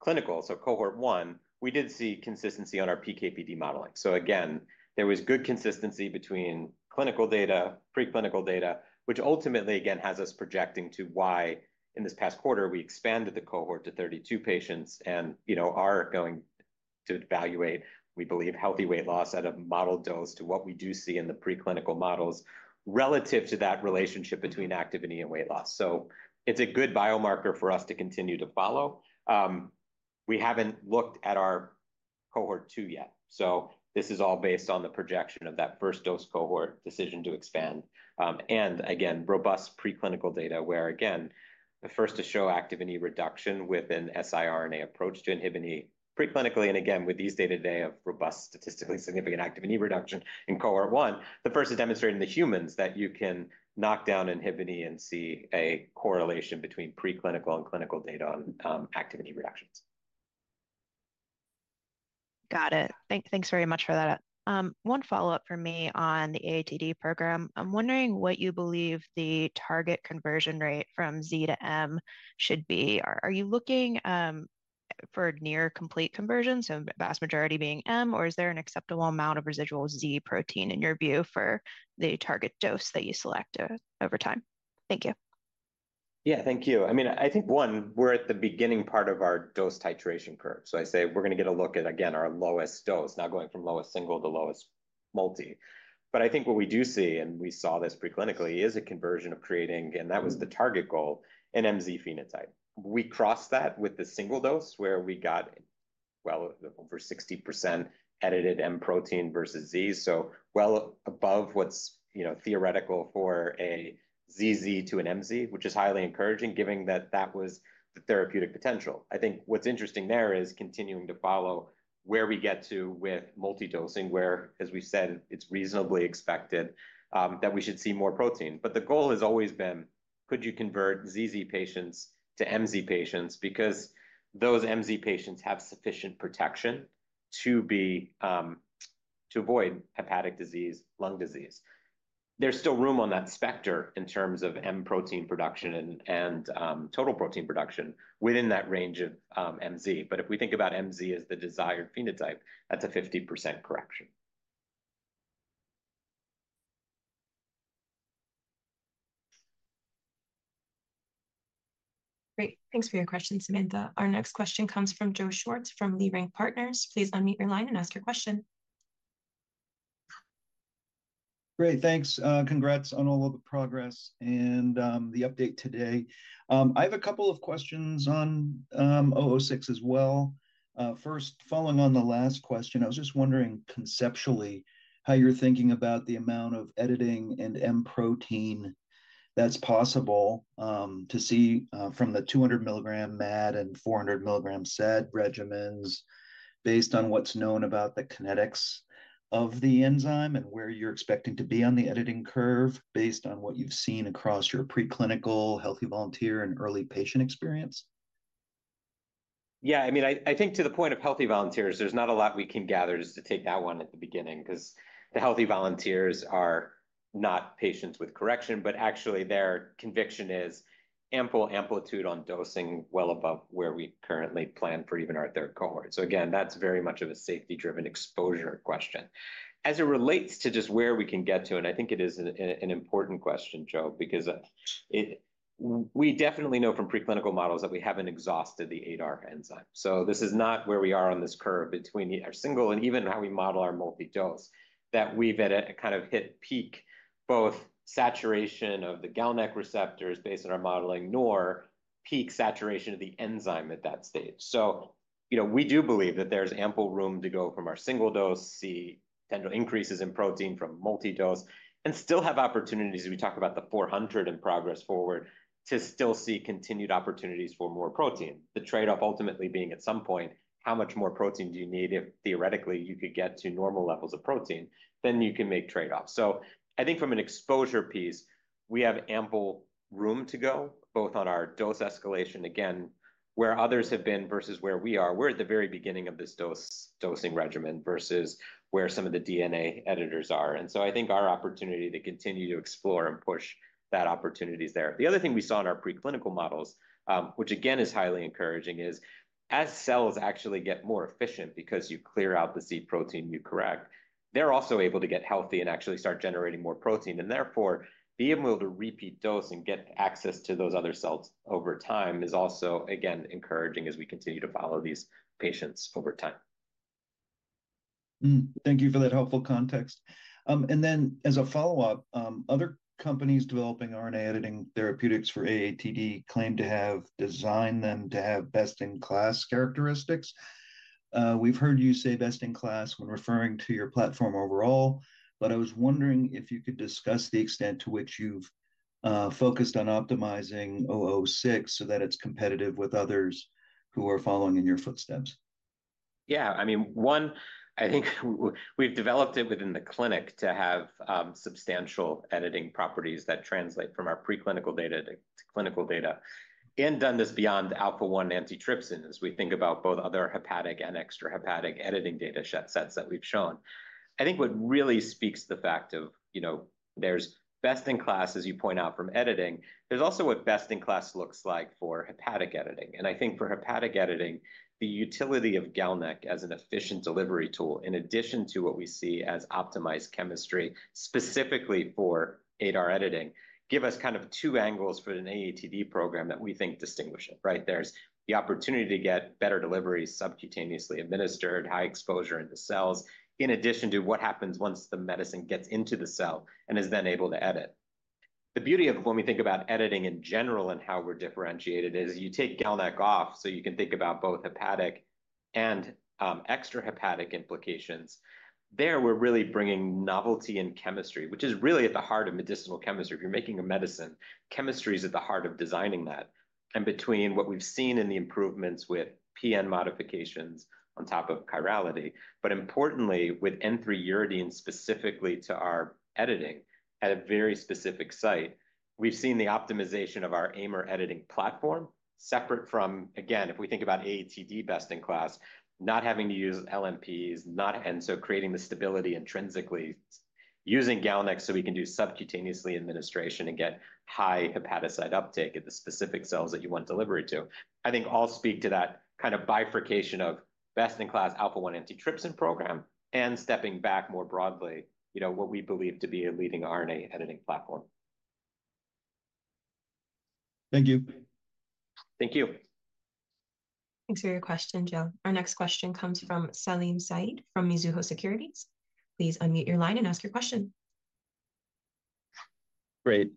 clinical, so cohort one, we did see consistency on our PKPD modeling. There was good consistency between clinical data, preclinical data, which ultimately, again, has us projecting to why in this past quarter we expanded the cohort to 32 patients and are going to evaluate, we believe, healthy weight loss at a model dose to what we do see in the preclinical models relative to that relationship between activity and weight loss. It's a good biomarker for us to continue to follow. We haven't looked at our cohort two yet. This is all based on the projection of that first dose cohort decision to expand. Again, robust preclinical data where, again, the first to show Activin E reduction with an siRNA approach to Inhibin preclinically, and again, with these data today, a robust statistically significant Activin E reduction in cohort one, the first to demonstrate in the humans that you can knock down Inhibin E and see a correlation between preclinical and clinical data on Activin E reactions. Got it. Thanks very much for that. One follow-up for me on the AATD program. I'm wondering what you believe the target conversion rate from Z to M should be. Are you looking for near complete conversion, so the vast majority being M, or is there an acceptable amount of residual Z protein in your view for the target dose that you select over time? Thank you. Yeah, thank you. I mean, I think, one, we're at the beginning part of our dose titration curve. I say we're going to get a look at, again, our lowest dose, not going from lowest single to lowest multi. I think what we do see, and we saw this preclinically, is a conversion of creating, and that was the target goal, an MZ phenotype. We crossed that with the single dose where we got, well, over 60% edited M protein versus Z. So well above what's theoretical for a ZZ to an MZ, which is highly encouraging, given that that was the therapeutic potential. I think what's interesting there is continuing to follow where we get to with multi-dosing, where, as we said, it's reasonably expected that we should see more protein. The goal has always been, could you convert ZZ patients to MZ patients? Because those MZ patients have sufficient protection to avoid hepatic disease, lung disease. There's still room on that specter in terms of M protein production and total protein production within that range of MZ. If we think about MZ as the desired phenotype, that's a 50% correction. Great. Thanks for your question, Samantha. Our next question comes from Joe Schwartz from Leerink Partners. Please unmute your line and ask your question. Great. Thanks. Congrats on all of the progress and the update today. I have a couple of questions on WVE-006 as well. First, following on the last question, I was just wondering, conceptually, how you're thinking about the amount of editing and M protein that's possible to see from the 200 mg MAD and 400 mg SAD regimens based on what's known about the kinetics of the enzyme and where you're expecting to be on the editing curve based on what you've seen across your preclinical, healthy volunteer, and early patient experience? Yeah, I mean, I think to the point of healthy volunteers, there's not a lot we can gather just to take that one at the beginning because the healthy volunteers are not patients with correction, but actually, their conviction is ample amplitude on dosing well above where we currently plan for even our third cohort. That's very much of a safety-driven exposure question. As it relates to just where we can get to, I think it is an important question, Joe, because we definitely know from preclinical models that we haven't exhausted the ADAR enzyme. This is not where we are on this curve between our single and even how we model our multi-dose, that we've kind of hit peak both saturation of the GalNAc receptors based on our modeling, nor peak saturation of the enzyme at that stage. We do believe that there's ample room to go from our single dose, see potential increases in protein from multi-dose, and still have opportunities. We talk about the 400 in progress forward to still see continued opportunities for more protein. The trade-off ultimately being at some point, how much more protein do you need if theoretically you could get to normal levels of protein, then you can make trade-offs. I think from an exposure piece, we have ample room to go both on our dose escalation, again, where others have been versus where we are. We're at the very beginning of this dosing regimen versus where some of the DNA editors are. I think our opportunity to continue to explore and push that opportunity is there. The other thing we saw in our preclinical models, which again is highly encouraging, is as cells actually get more efficient because you clear out the Z protein you correct, they're also able to get healthy and actually start generating more protein. Therefore, being able to repeat dose and get access to those other cells over time is also, again, encouraging as we continue to follow these patients over time. Thank you for that helpful context. As a follow-up, other companies developing RNA editing therapeutics for AATD claim to have designed them to have best-in-class characteristics. We've heard you say best-in-class when referring to your platform overall, but I was wondering if you could discuss the extent to which you've focused on optimizing WVE-006 so that it's competitive with others who are following in your footsteps. Yeah, I mean, one, I think we've developed it within the clinic to have substantial editing properties that translate from our preclinical data to clinical data and done this beyond the alpha-1 antitrypsin as we think about both other hepatic and extrahepatic editing data sets that we've shown. I think what really speaks to the fact of there's best-in-class, as you point out, from editing. There's also what best-in-class looks like for hepatic editing. I think for hepatic editing, the utility of GalNAc as an efficient delivery tool, in addition to what we see as optimized chemistry specifically for ADAR editing, give us kind of two angles for an AATD program that we think distinguish it. There's the opportunity to get better delivery subcutaneously administered, high exposure in the cells, in addition to what happens once the medicine gets into the cell and is then able to edit. The beauty of when we think about editing in general and how we're differentiated is you take GalNAc off, so you can think about both hepatic and extrahepatic implications. There, we're really bringing novelty in chemistry, which is really at the heart of medicinal chemistry. If you're making a medicine, chemistry is at the heart of designing that. Between what we've seen in the improvements with PN modifications on top of chirality, but importantly, with N3Uredine specifically to our editing at a very specific site, we've seen the optimization of our AMR editing platform, separate from, again, if we think about AATD best-in-class, not having to use LNPs, and so creating the stability intrinsically, using GalNAc so we can do subcutaneous administration and get high hepatocyte uptake at the specific cells that you want delivery to. I think all speak to that kind of bifurcation of best-in-class alpha-1 antitrypsin program and stepping back more broadly what we believe to be a leading RNA editing platform. Thank you. Thank you. Thanks for your question, Joe. Our next question comes from Celine Zhang from Mizuho Securities. Please unmute your line and ask your question. Great.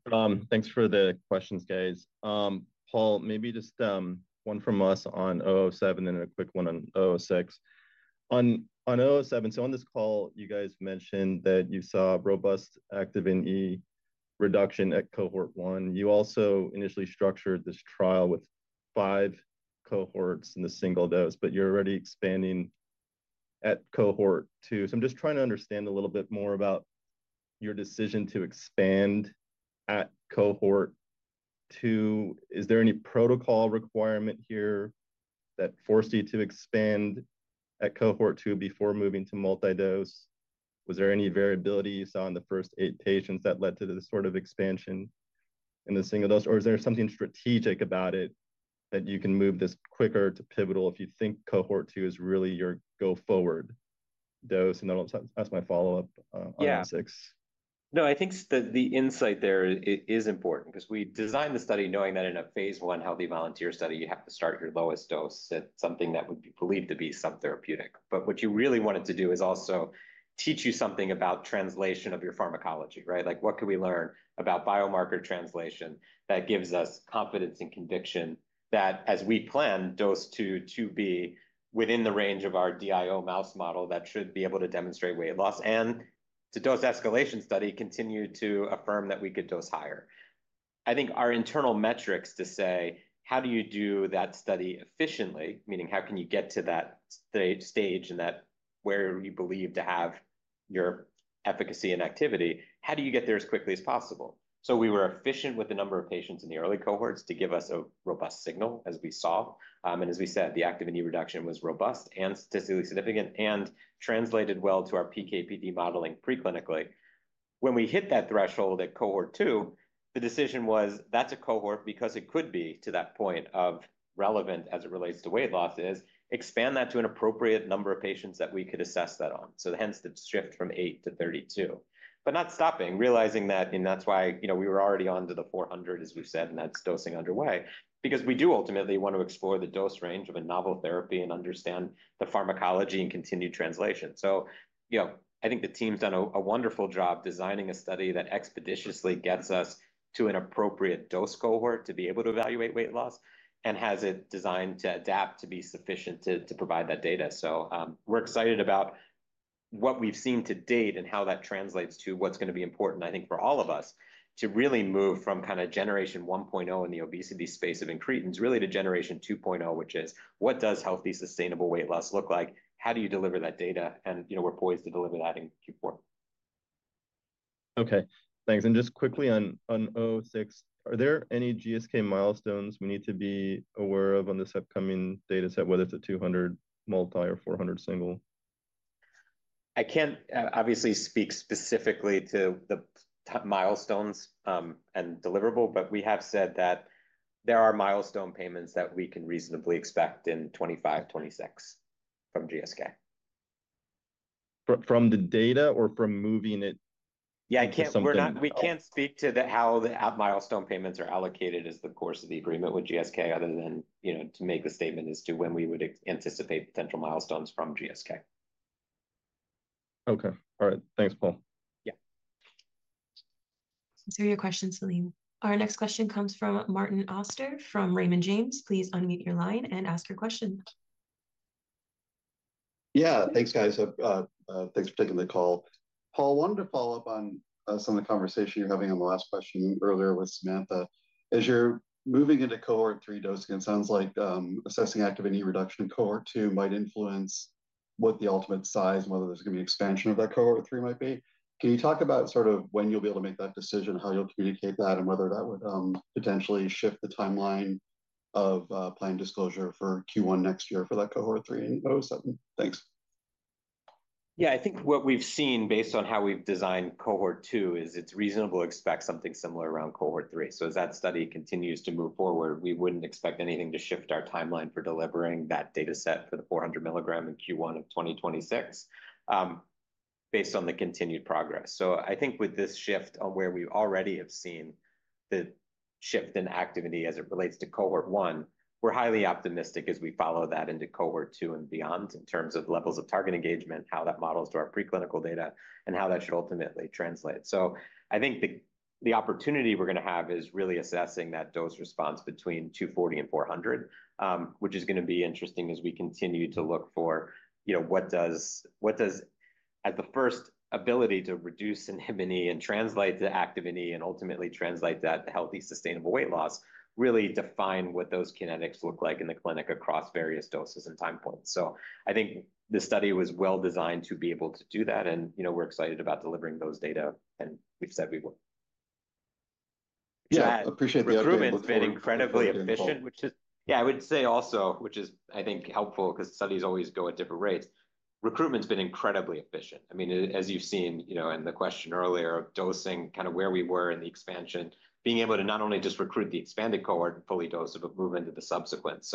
Thanks for the questions, guys. Paul, maybe just one from us on WVE-007 and a quick one on WVE-006. On WVE-007, on this call, you guys mentioned that you saw robust Activin E reduction at cohort one. You also initially structured this trial with five cohorts in the single dose, but you're already expanding at cohort two. I'm just trying to understand a little bit more about your decision to expand at cohort two. Is there any protocol requirement here that forced you to expand at cohort two before moving to multi-dose? Was there any variability you saw in the first eight patients that led to this sort of expansion in the single dose, or is there something strategic about it that you can move this quicker to pivotal if you think cohort two is really your go-forward dose? I'll ask my follow-up on WVE-006. Yeah. No, I think the insight there is important because we designed the study knowing that in a Phase 1 healthy volunteer study, you have to start at your lowest dose at something that would be believed to be subtherapeutic. What you really wanted to do is also teach you something about translation of your pharmacology. Like, what could we learn about biomarker translation that gives us confidence and conviction that as we plan dose two to be within the range of our DIO mouse model that should be able to demonstrate weight loss and the dose escalation study continue to affirm that we could dose higher. I think our internal metrics to say, how do you do that study efficiently, meaning how can you get to that stage and that where you believe to have your efficacy and activity, how do you get there as quickly as possible? We were efficient with the number of patients in the early cohorts to give us a robust signal, as we saw. As we said, the Activin E reduction was robust and statistically significant and translated well to our PKPD modeling preclinically. When we hit that threshold at cohort two, the decision was that's a cohort because it could be to that point of relevant as it relates to weight loss is expand that to an appropriate number of patients that we could assess that on. Hence the shift from 8 to 32. Not stopping, realizing that, and that's why we were already onto the 400, as we've said, and that's dosing underway, because we do ultimately want to explore the dose range of a novel therapy and understand the pharmacology and continued translation. I think the team's done a wonderful job designing a study that expeditiously gets us to an appropriate dose cohort to be able to evaluate weight loss and has it designed to adapt to be sufficient to provide that data. We're excited about what we've seen to date and how that translates to what's going to be important, I think, for all of us to really move from kind of generation 1.0 in the obesity space of increte and really to generation 2.0, which is what does healthy, sustainable weight loss look like? How do you deliver that data? We're poised to deliver that in Q4. OK, thanks. Just quickly on WVE-006, are there any GSK milestones we need to be aware of on this upcoming data set, whether it's a 200 multi or 400 single? I can't obviously speak specifically to the milestones and deliverable, but we have said that there are milestone payments that we can reasonably expect in 2025, 2026 from GSK. From the data or from moving it? Yeah, we can't speak to how the milestone payments are allocated as the course of the agreement with GSK, other than to make the statement as to when we would anticipate potential milestones from GSK. OK, all right. Thanks, Paul. Yeah. Let's hear your questions, Celine. Our next question comes from Martin Auster from Raymond James. Please unmute your line and ask your question. Yeah, thanks, guys. Thanks for taking the call. Paul, I wanted to follow up on some of the conversation you're having on the last question earlier with Samantha. As you're moving into cohort three dosing, it sounds like assessing activity reduction in cohort two might influence what the ultimate size and whether there's going to be expansion of that cohort three might be. Can you talk about sort of when you'll be able to make that decision, how you'll communicate that, and whether that would potentially shift the timeline of planned disclosure for Q1 next year for that cohort three in WVE-007? Thanks. Yeah, I think what we've seen based on how we've designed cohort two is it's reasonable to expect something similar around cohort three. As that study continues to move forward, we wouldn't expect anything to shift our timeline for delivering that data set for the 400 mg in Q1 of 2026 based on the continued progress. I think with this shift on where we already have seen the shift in activity as it relates to cohort one, we're highly optimistic as we follow that into cohort two and beyond in terms of levels of target engagement, how that models to our preclinical data, and how that should ultimately translate. The opportunity we're going to have is really assessing that dose response between 240 and 400, which is going to be interesting as we continue to look for what does at the first ability to reduce and translate to activity and ultimately translate that to healthy, sustainable weight loss, really define what those kinetics look like in the clinic across various doses and time points. I think the study was well designed to be able to do that, and we're excited about delivering those data, and we've said we would. Appreciate the approval. Recruitment's been incredibly efficient, which is, I think, helpful because studies always go at different rates. Recruitment's been incredibly efficient. As you've seen in the question earlier, dosing kind of where we were in the expansion, being able to not only just recruit the expanded cohort to fully dose it, but move into the subsequent.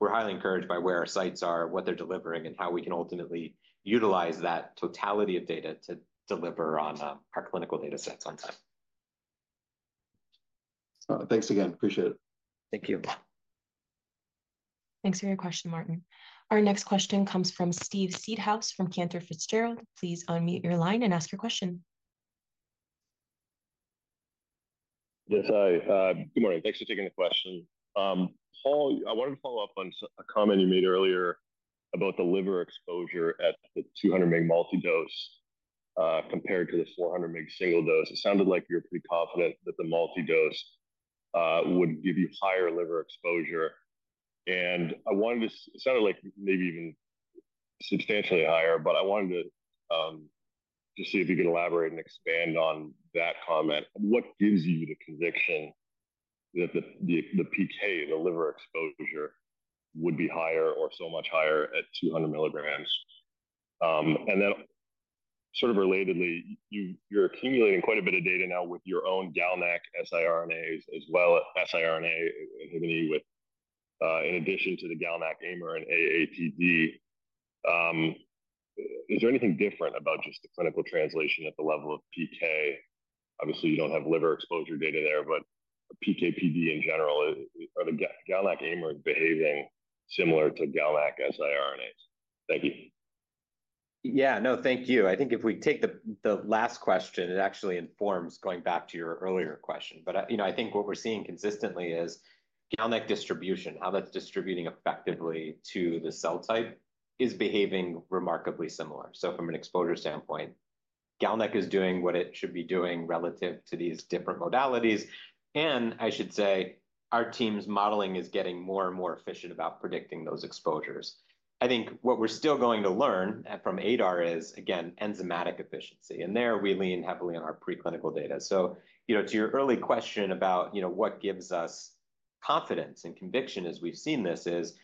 We're highly encouraged by where our sites are, what they're delivering, and how we can ultimately utilize that totality of data to deliver on our clinical data sets on site. Thanks again. Appreciate it. Thank you. Thanks for your question, Martin. Our next question comes from Steve Seedhouse from Cantor Fitzgerald. Please unmute your line and ask your question. Yes, hi. Good morning. Thanks for taking the question. Paul, I wanted to follow up on a comment you made earlier about the liver exposure at the 200 mg multi-dose compared to the 400 mg single dose. It sounded like you were pretty confident that the multi-dose would give you higher liver exposure. I wanted to, it sounded like maybe even substantially higher, but I wanted to see if you could elaborate and expand on that comment. What gives you the conviction that the PK, the liver exposure, would be higher or so much higher at 200 mg? Sort of relatedly, you're accumulating quite a bit of data now with your own GalNAc-conjugated siRNAs as well as siRNA, in addition to the GalNAc AMR and AATD. Is there anything different about just the clinical translation at the level of PK? Obviously, you don't have liver exposure data there, but PKPD in general, are the GalNAc AMRs behaving similar to GalNAc siRNAs? Thank you. Yeah, no, thank you. I think if we take the last question, it actually informs going back to your earlier question. I think what we're seeing consistently is GalNAc distribution, how that's distributing effectively to the cell type, is behaving remarkably similar. From an exposure standpoint, GalNAc is doing what it should be doing relative to these different modalities. I should say our team's modeling is getting more and more efficient about predicting those exposures. I think what we're still going to learn from ADAR is, again, enzymatic efficiency. There we lean heavily on our preclinical data. To your early question about what gives us confidence and conviction as we've seen this is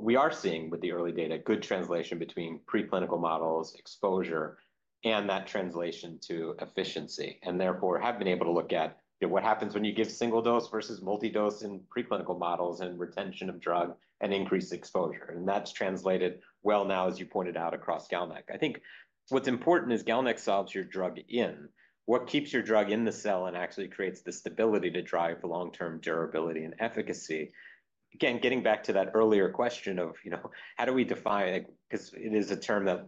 we are seeing with the early data good translation between preclinical models exposure and that translation to efficiency. Therefore, have been able to look at what happens when you give single dose versus multi-dose in preclinical models and retention of drug and increased exposure. That's translated well now, as you pointed out, across GalNAc. I think what's important is GalNAc solves your drug in. What keeps your drug in the cell and actually creates the stability to drive the long-term durability and efficacy? Getting back to that earlier question of how do we define, because it is a term that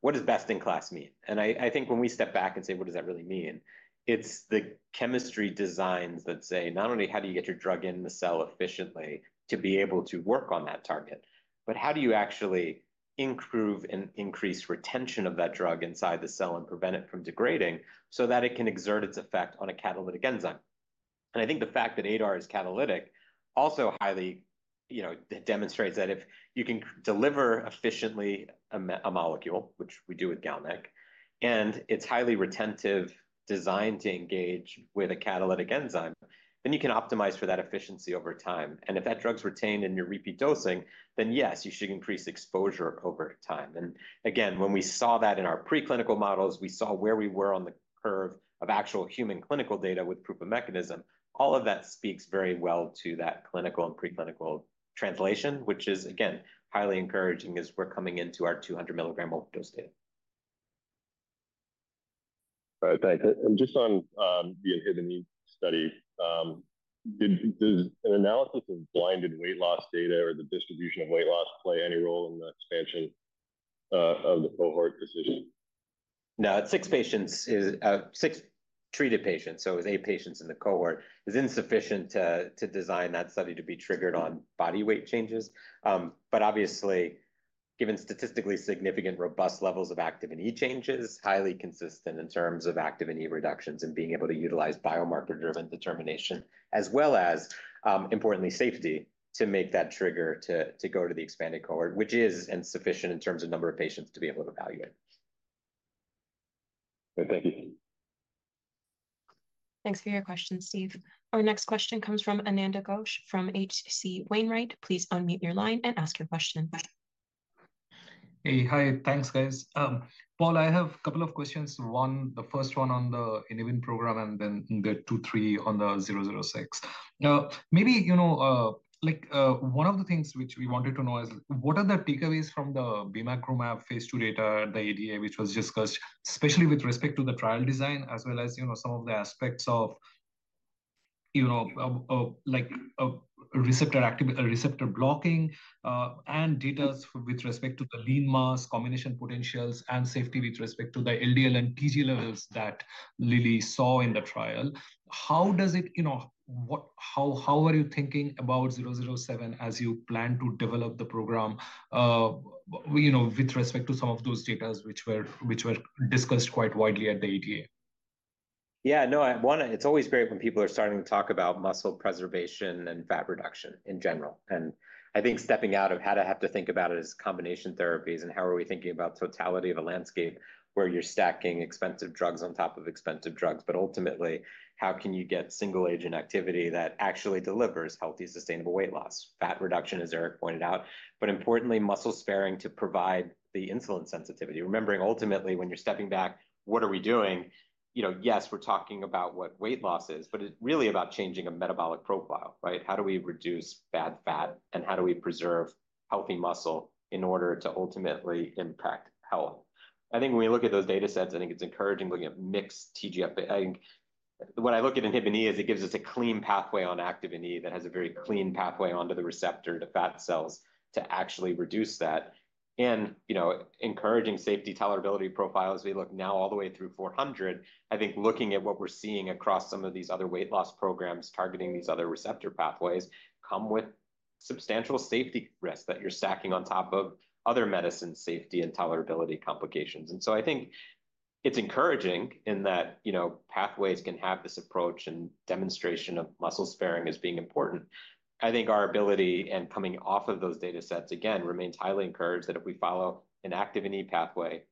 what does best-in-class mean? I think when we step back and say, what does that really mean? It's the chemistry designs that say not only how do you get your drug in the cell efficiently to be able to work on that target, but how do you actually improve and increase retention of that drug inside the cell and prevent it from degrading so that it can exert its effect on a catalytic enzyme? I think the fact that ADAR is catalytic also highly demonstrates that if you can deliver efficiently a molecule, which we do with GalNAc, and it's highly retentive designed to engage with a catalytic enzyme, then you can optimize for that efficiency over time. If that drug's retained in your repeat dosing, then yes, you should increase exposure over time. When we saw that in our preclinical models, we saw where we were on the curve of actual human clinical data with proof of mechanism. All of that speaks very well to that clinical and preclinical translation, which is, again, highly encouraging as we're coming into our 200 mg multi-dose data. Thanks. On the ENLITE study, did an analysis of blinded weight loss data or the distribution of weight loss play any role in the expansion of the cohort? No, six patients, six treated patients, with eight patients in the cohort, is insufficient to design that study to be triggered on body weight changes. Obviously, given statistically significant robust levels of Activin E changes, highly consistent in terms of Activin E reductions and being able to utilize biomarker-driven determination, as well as, importantly, safety to make that trigger to go to the expanded cohort, which is insufficient in terms of number of patients to be able to evaluate. Thank you. Thanks for your question, Steve. Our next question comes from Ananda Ghosh from HC Wainwright. Please unmute your line and ask your question. Hey, hi. Thanks, guys. Paul, I have a couple of questions. One, the first one on the 006 program, and then two, three on the 006. Now, maybe, you know, like one of the things which we wanted to know is what are the takeaways from the BMAC ROMAP Phase 2 data, the ADA, which was discussed, especially with respect to the trial design, as well as some of the aspects of receptor blocking and data with respect to the lean mass, combination potentials, and safety with respect to the LDL and TG levels that Lilly saw in the trial. How does it, you know, how are you thinking about 007 as you plan to develop the program with respect to some of those data which were discussed quite widely at the ADA? Yeah, no, one, it's always great when people are starting to talk about muscle preservation and fat reduction in general. I think stepping out of how to have to think about it as combination therapies and how are we thinking about totality of the landscape where you're stacking expensive drugs on top of expensive drugs, but ultimately, how can you get single agent activity that actually delivers healthy, sustainable weight loss? Fat reduction, as Erik pointed out, but importantly, muscle sparing to provide the insulin sensitivity. Remembering, ultimately, when you're stepping back, what are we doing? Yes, we're talking about what weight loss is, but it's really about changing a metabolic profile. How do we reduce bad fat and how do we preserve healthy muscle in order to ultimately impact health? I think when we look at those data sets, I think it's encouraging looking at mixed TGF-alpha. I think when I look at Inhibin, it gives us a clean pathway on Activin E that has a very clean pathway onto the receptor to fat cells to actually reduce that. Encouraging safety tolerability profiles, we look now all the way through 400. I think looking at what we're seeing across some of these other weight loss programs targeting these other receptor pathways come with substantial safety risks that you're stacking on top of other medicine safety and tolerability complications. I think it's encouraging in that pathways can have this approach and demonstration of muscle sparing as being important. I think our ability and coming off of those data sets, again, remains highly encouraged that if we follow an Activin E pathway,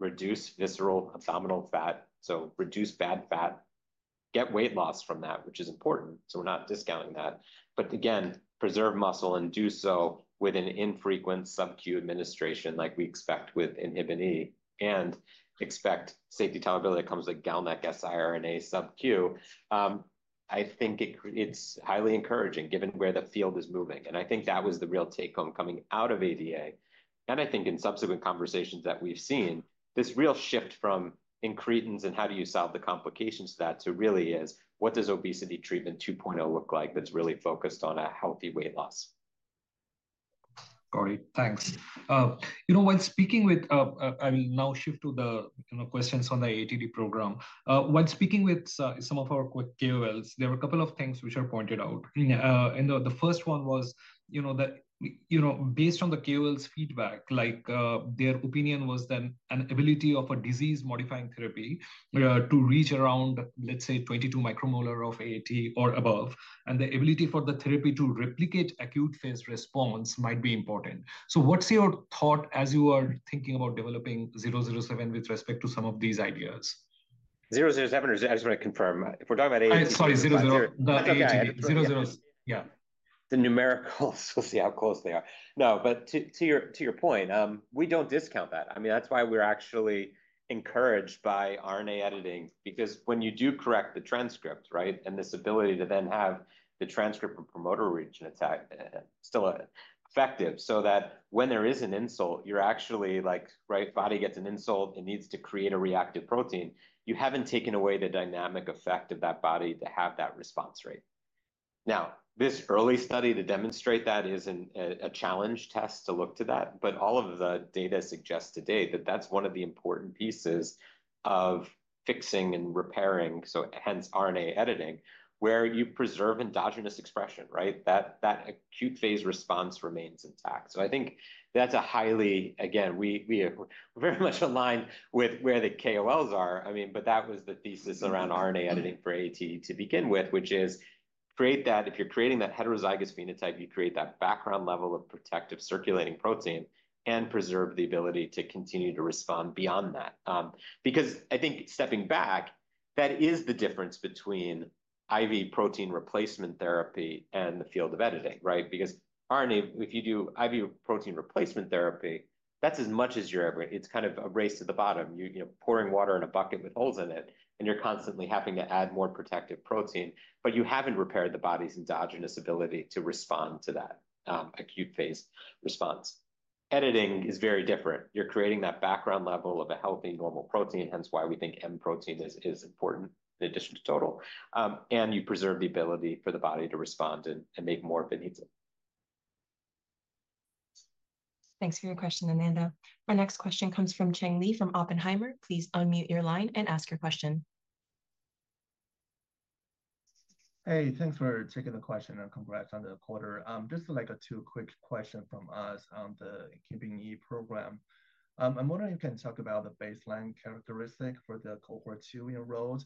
reduce visceral abdominal fat, so reduce bad fat, get weight loss from that, which is important. We're not discounting that. Again, preserve muscle and do so with an infrequent sub-Q administration like we expect with Inhibin and expect safety tolerability that comes with GalNAc siRNA sub-Q. I think it's highly encouraging given where the field is moving. I think that was the real take-home coming out of ADA. I think in subsequent conversations that we've seen, this real shift from incretins and how do you solve the complications to that to really is what does obesity treatment 2.0 look like that's really focused on a healthy weight loss? Great. Thanks. I will now shift to the questions on the AATD program. When speaking with some of our KOLs, there were a couple of things which are pointed out. The first one was that based on the KOL's feedback, their opinion was that an ability of a disease-modifying therapy to reach around, let's say, 22 micromolar of AAT or above, and the ability for the therapy to replicate acute phase response might be important. What's your thought as you are thinking about developing WVE-007 with respect to some of these ideas? 007 or, I just want to confirm, if we're talking about AATD. Sorry, 00. AATD. 007. Yeah. The numericals, we'll see how close they are. No, but to your point, we don't discount that. I mean, that's why we're actually encouraged by RNA editing, because when you do correct the transcript, right, and this ability to then have the transcript of promoter region, it's still effective. That when there is an insult, you're actually like, right, body gets an insult, it needs to create a reactive protein. You haven't taken away the dynamic effect of that body to have that response rate. This early study to demonstrate that is a challenge test to look to that. All of the data suggests today that that's one of the important pieces of fixing and repairing, so hence RNA editing, where you preserve endogenous expression, right? That acute phase response remains intact. I think that's a highly, again, we are very much aligned with where the KOLs are. I mean, that was the thesis around RNA editing for AATD to begin with, which is create that, if you're creating that heterozygous phenotype, you create that background level of protective circulating protein and preserve the ability to continue to respond beyond that. I think stepping back, that is the difference between IV protein replacement therapy and the field of editing, right? Because RNA, if you do IV protein replacement therapy, that's as much as you're ever, it's kind of a race to the bottom. You're pouring water in a bucket with holes in it, and you're constantly having to add more protective protein. You haven't repaired the body's endogenous ability to respond to that acute phase response. Editing is very different. You're creating that background level of a healthy normal protein, hence why we think M protein is important in addition to total. You preserve the ability for the body to respond and make more if it needs it. Thanks for your question, Ananda. Our next question comes from Cheng Li from Oppenheimer. Please unmute your line and ask your question. Hey, thanks for taking the question. Congrats on the quarter. Just a two quick question from us on the program. I'm wondering if you can talk about the baseline characteristic for the cohort two enrolled.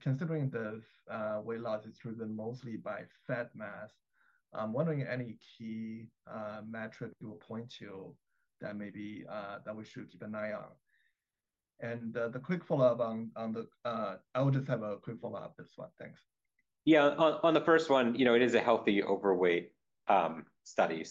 Considering the weight loss is driven mostly by fat mass, I'm wondering any key metric you will point to that maybe we should keep an eye on. I have a quick follow-up, this one. Thanks. Yeah, on the first one, you know it is a healthy overweight study.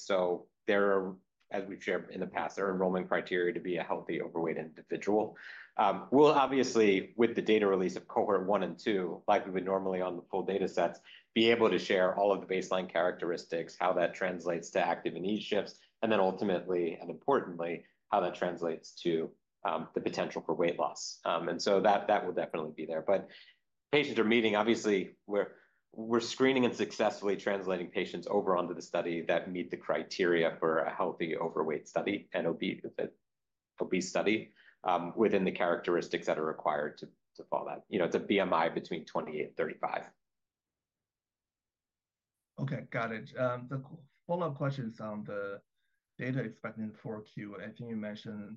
There are, as we've shared in the past, enrollment criteria to be a healthy overweight individual. Obviously, with the data release of cohort one and two, like we would normally on the full data sets, we'll be able to share all of the baseline characteristics, how that translates to Activin E shifts, and then ultimately, and importantly, how that translates to the potential for weight loss. That will definitely be there. Patients are meeting, obviously, we're screening and successfully translating patients over onto the study that meet the criteria for a healthy overweight study and obese study within the characteristics that are required to fall that, you know, to BMI between 28 and 35. OK, got it. The follow-up question is on the data expected in 4Q. I think you mentioned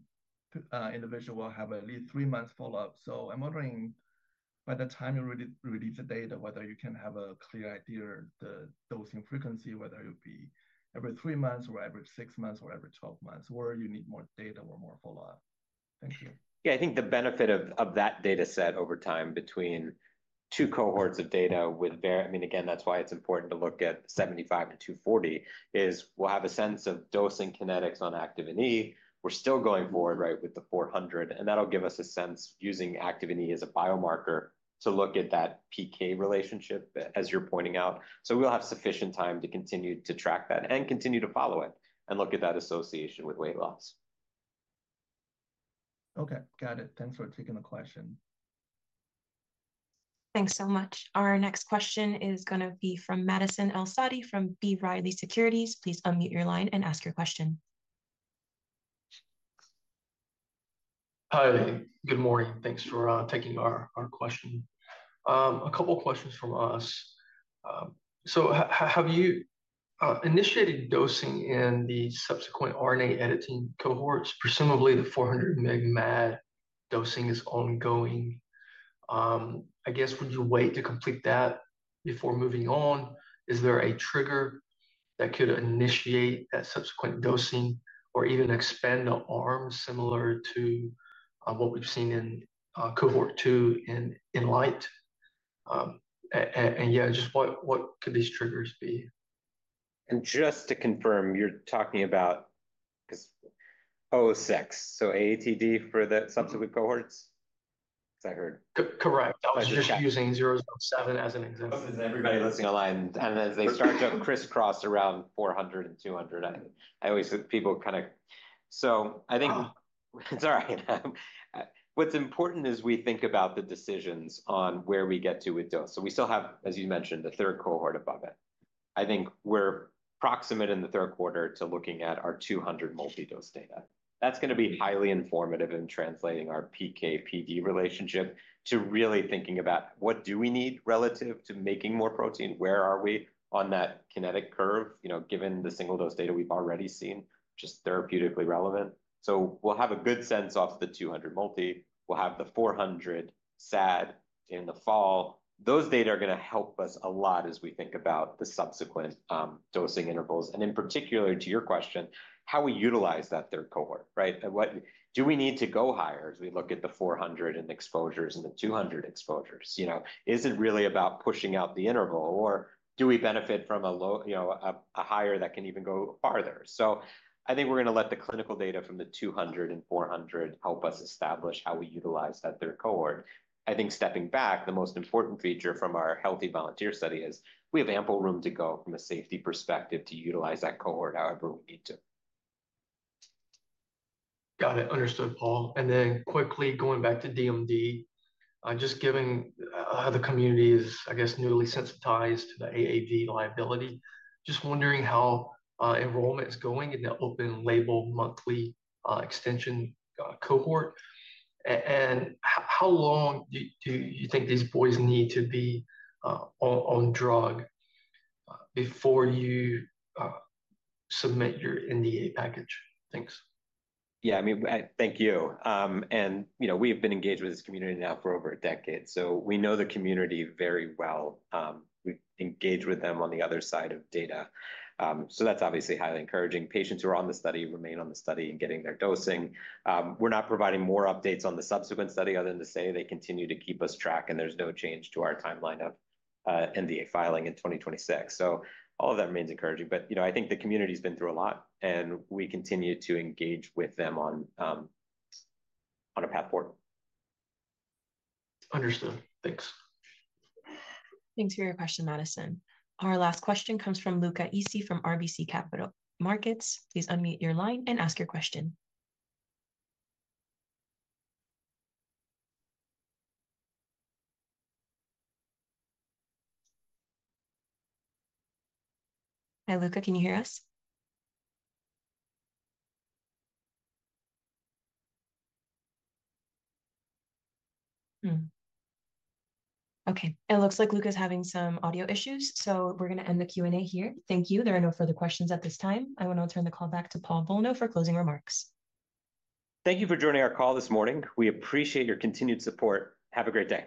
an individual will have at least three months follow-up. I'm wondering, by the time you release the data, whether you can have a clear idea of the dosing frequency, whether it would be every three months or every six months or every 12 months, or you need more data or more follow-up. Thank you. I think the benefit of that data set over time between two cohorts of data, that's why it's important to look at 75 and 240, is we'll have a sense of dosing kinetics on Activin E. We're still going forward with the 400, and that'll give us a sense using Activin E as a biomarker to look at that PK relationship, as you're pointing out. We'll have sufficient time to continue to TRACK-HD that and continue to follow it and look at that association with weight loss. OK, got it. Thanks for taking the question. Thanks so much. Our next question is going to be from Madison Elsadi from B. Riley Securities. Please unmute your line and ask your question. Good morning. Thanks for taking our question. A couple of questions from us. Have you initiated dosing in the subsequent RNA editing cohorts? Presumably, the 400 mg MAD dosing is ongoing. I guess would you wait to complete that before moving on? Is there a trigger that could initiate that subsequent dosing or even expand the arm similar to what we've seen in support in light, just what could these triggers be? Just to confirm, you're talking about AATD for the subsequent cohorts. Is that correct? Correct. I'll just use ENLITE with seven as an example. Does anybody listening online? As they start to crisscross around 400 and 200, I always think people kind of, I think it's all right. What's important is we think about the decisions on where we get to with dose. We still have, as you mentioned, a third cohort above it. I think we're approximate in the third quarter to looking at our 200 multi-dose data. That's going to be highly informative in translating our PK/PD relationship to really thinking about what do we need relative to making more protein. Where are we on that kinetic curve, given the single dose data we've already seen, just therapeutically relevant. We'll have a good sense off the 200 multi. We'll have the 400 SAD in the fall. Those data are going to help us a lot as we think about the subsequent dosing intervals. In particular to your question, how we utilize that third cohort, right? What do we need to go higher as we look at the 400 and exposures and the 200 exposures? Is it really about pushing out the interval or do we benefit from a low, a higher that can even go farther? I think we're going to let the clinical data from the 200 and 400 help us establish how we utilize that third cohort. Stepping back, the most important feature from our healthy volunteer study is we have ample room to go from a safety perspective to utilize that cohort however we need to. Got it. Understood, Paul. Quickly going back to DMD, just given how the community is, I guess, newly sensitized to the AAV liability, just wondering how enrollment is going in the open label monthly extension cohort. How long do you think these boys need to be on drug before you submit your NDA package? Thanks? Thank you. We've been engaged with this community now for over a decade, so we know the community very well. We've engaged with them on the other side of data, which is obviously highly encouraging. Patients who are on the study remain on the study and getting their dosing. We're not providing more updates on the subsequent study other than to say they continue to keep us TRACK-HD, and there's no change to our timeline of NDA filing in 2026. All of that remains encouraging. I think the community's been through a lot, and we continue to engage with them on a path forward. Understood. Thanks. Thanks for your question, Madison. Our last question comes from Luca Issi from RBC Capital Markets. Please unmute your line and ask your question. Hi, Luca, can you hear us? It looks like Luca is having some audio issues. We're going to end the Q&A here. Thank you. There are no further questions at this time. I'm going to turn the call back to Paul Bolno for closing remarks. Thank you for joining our call this morning. We appreciate your continued support. Have a great day.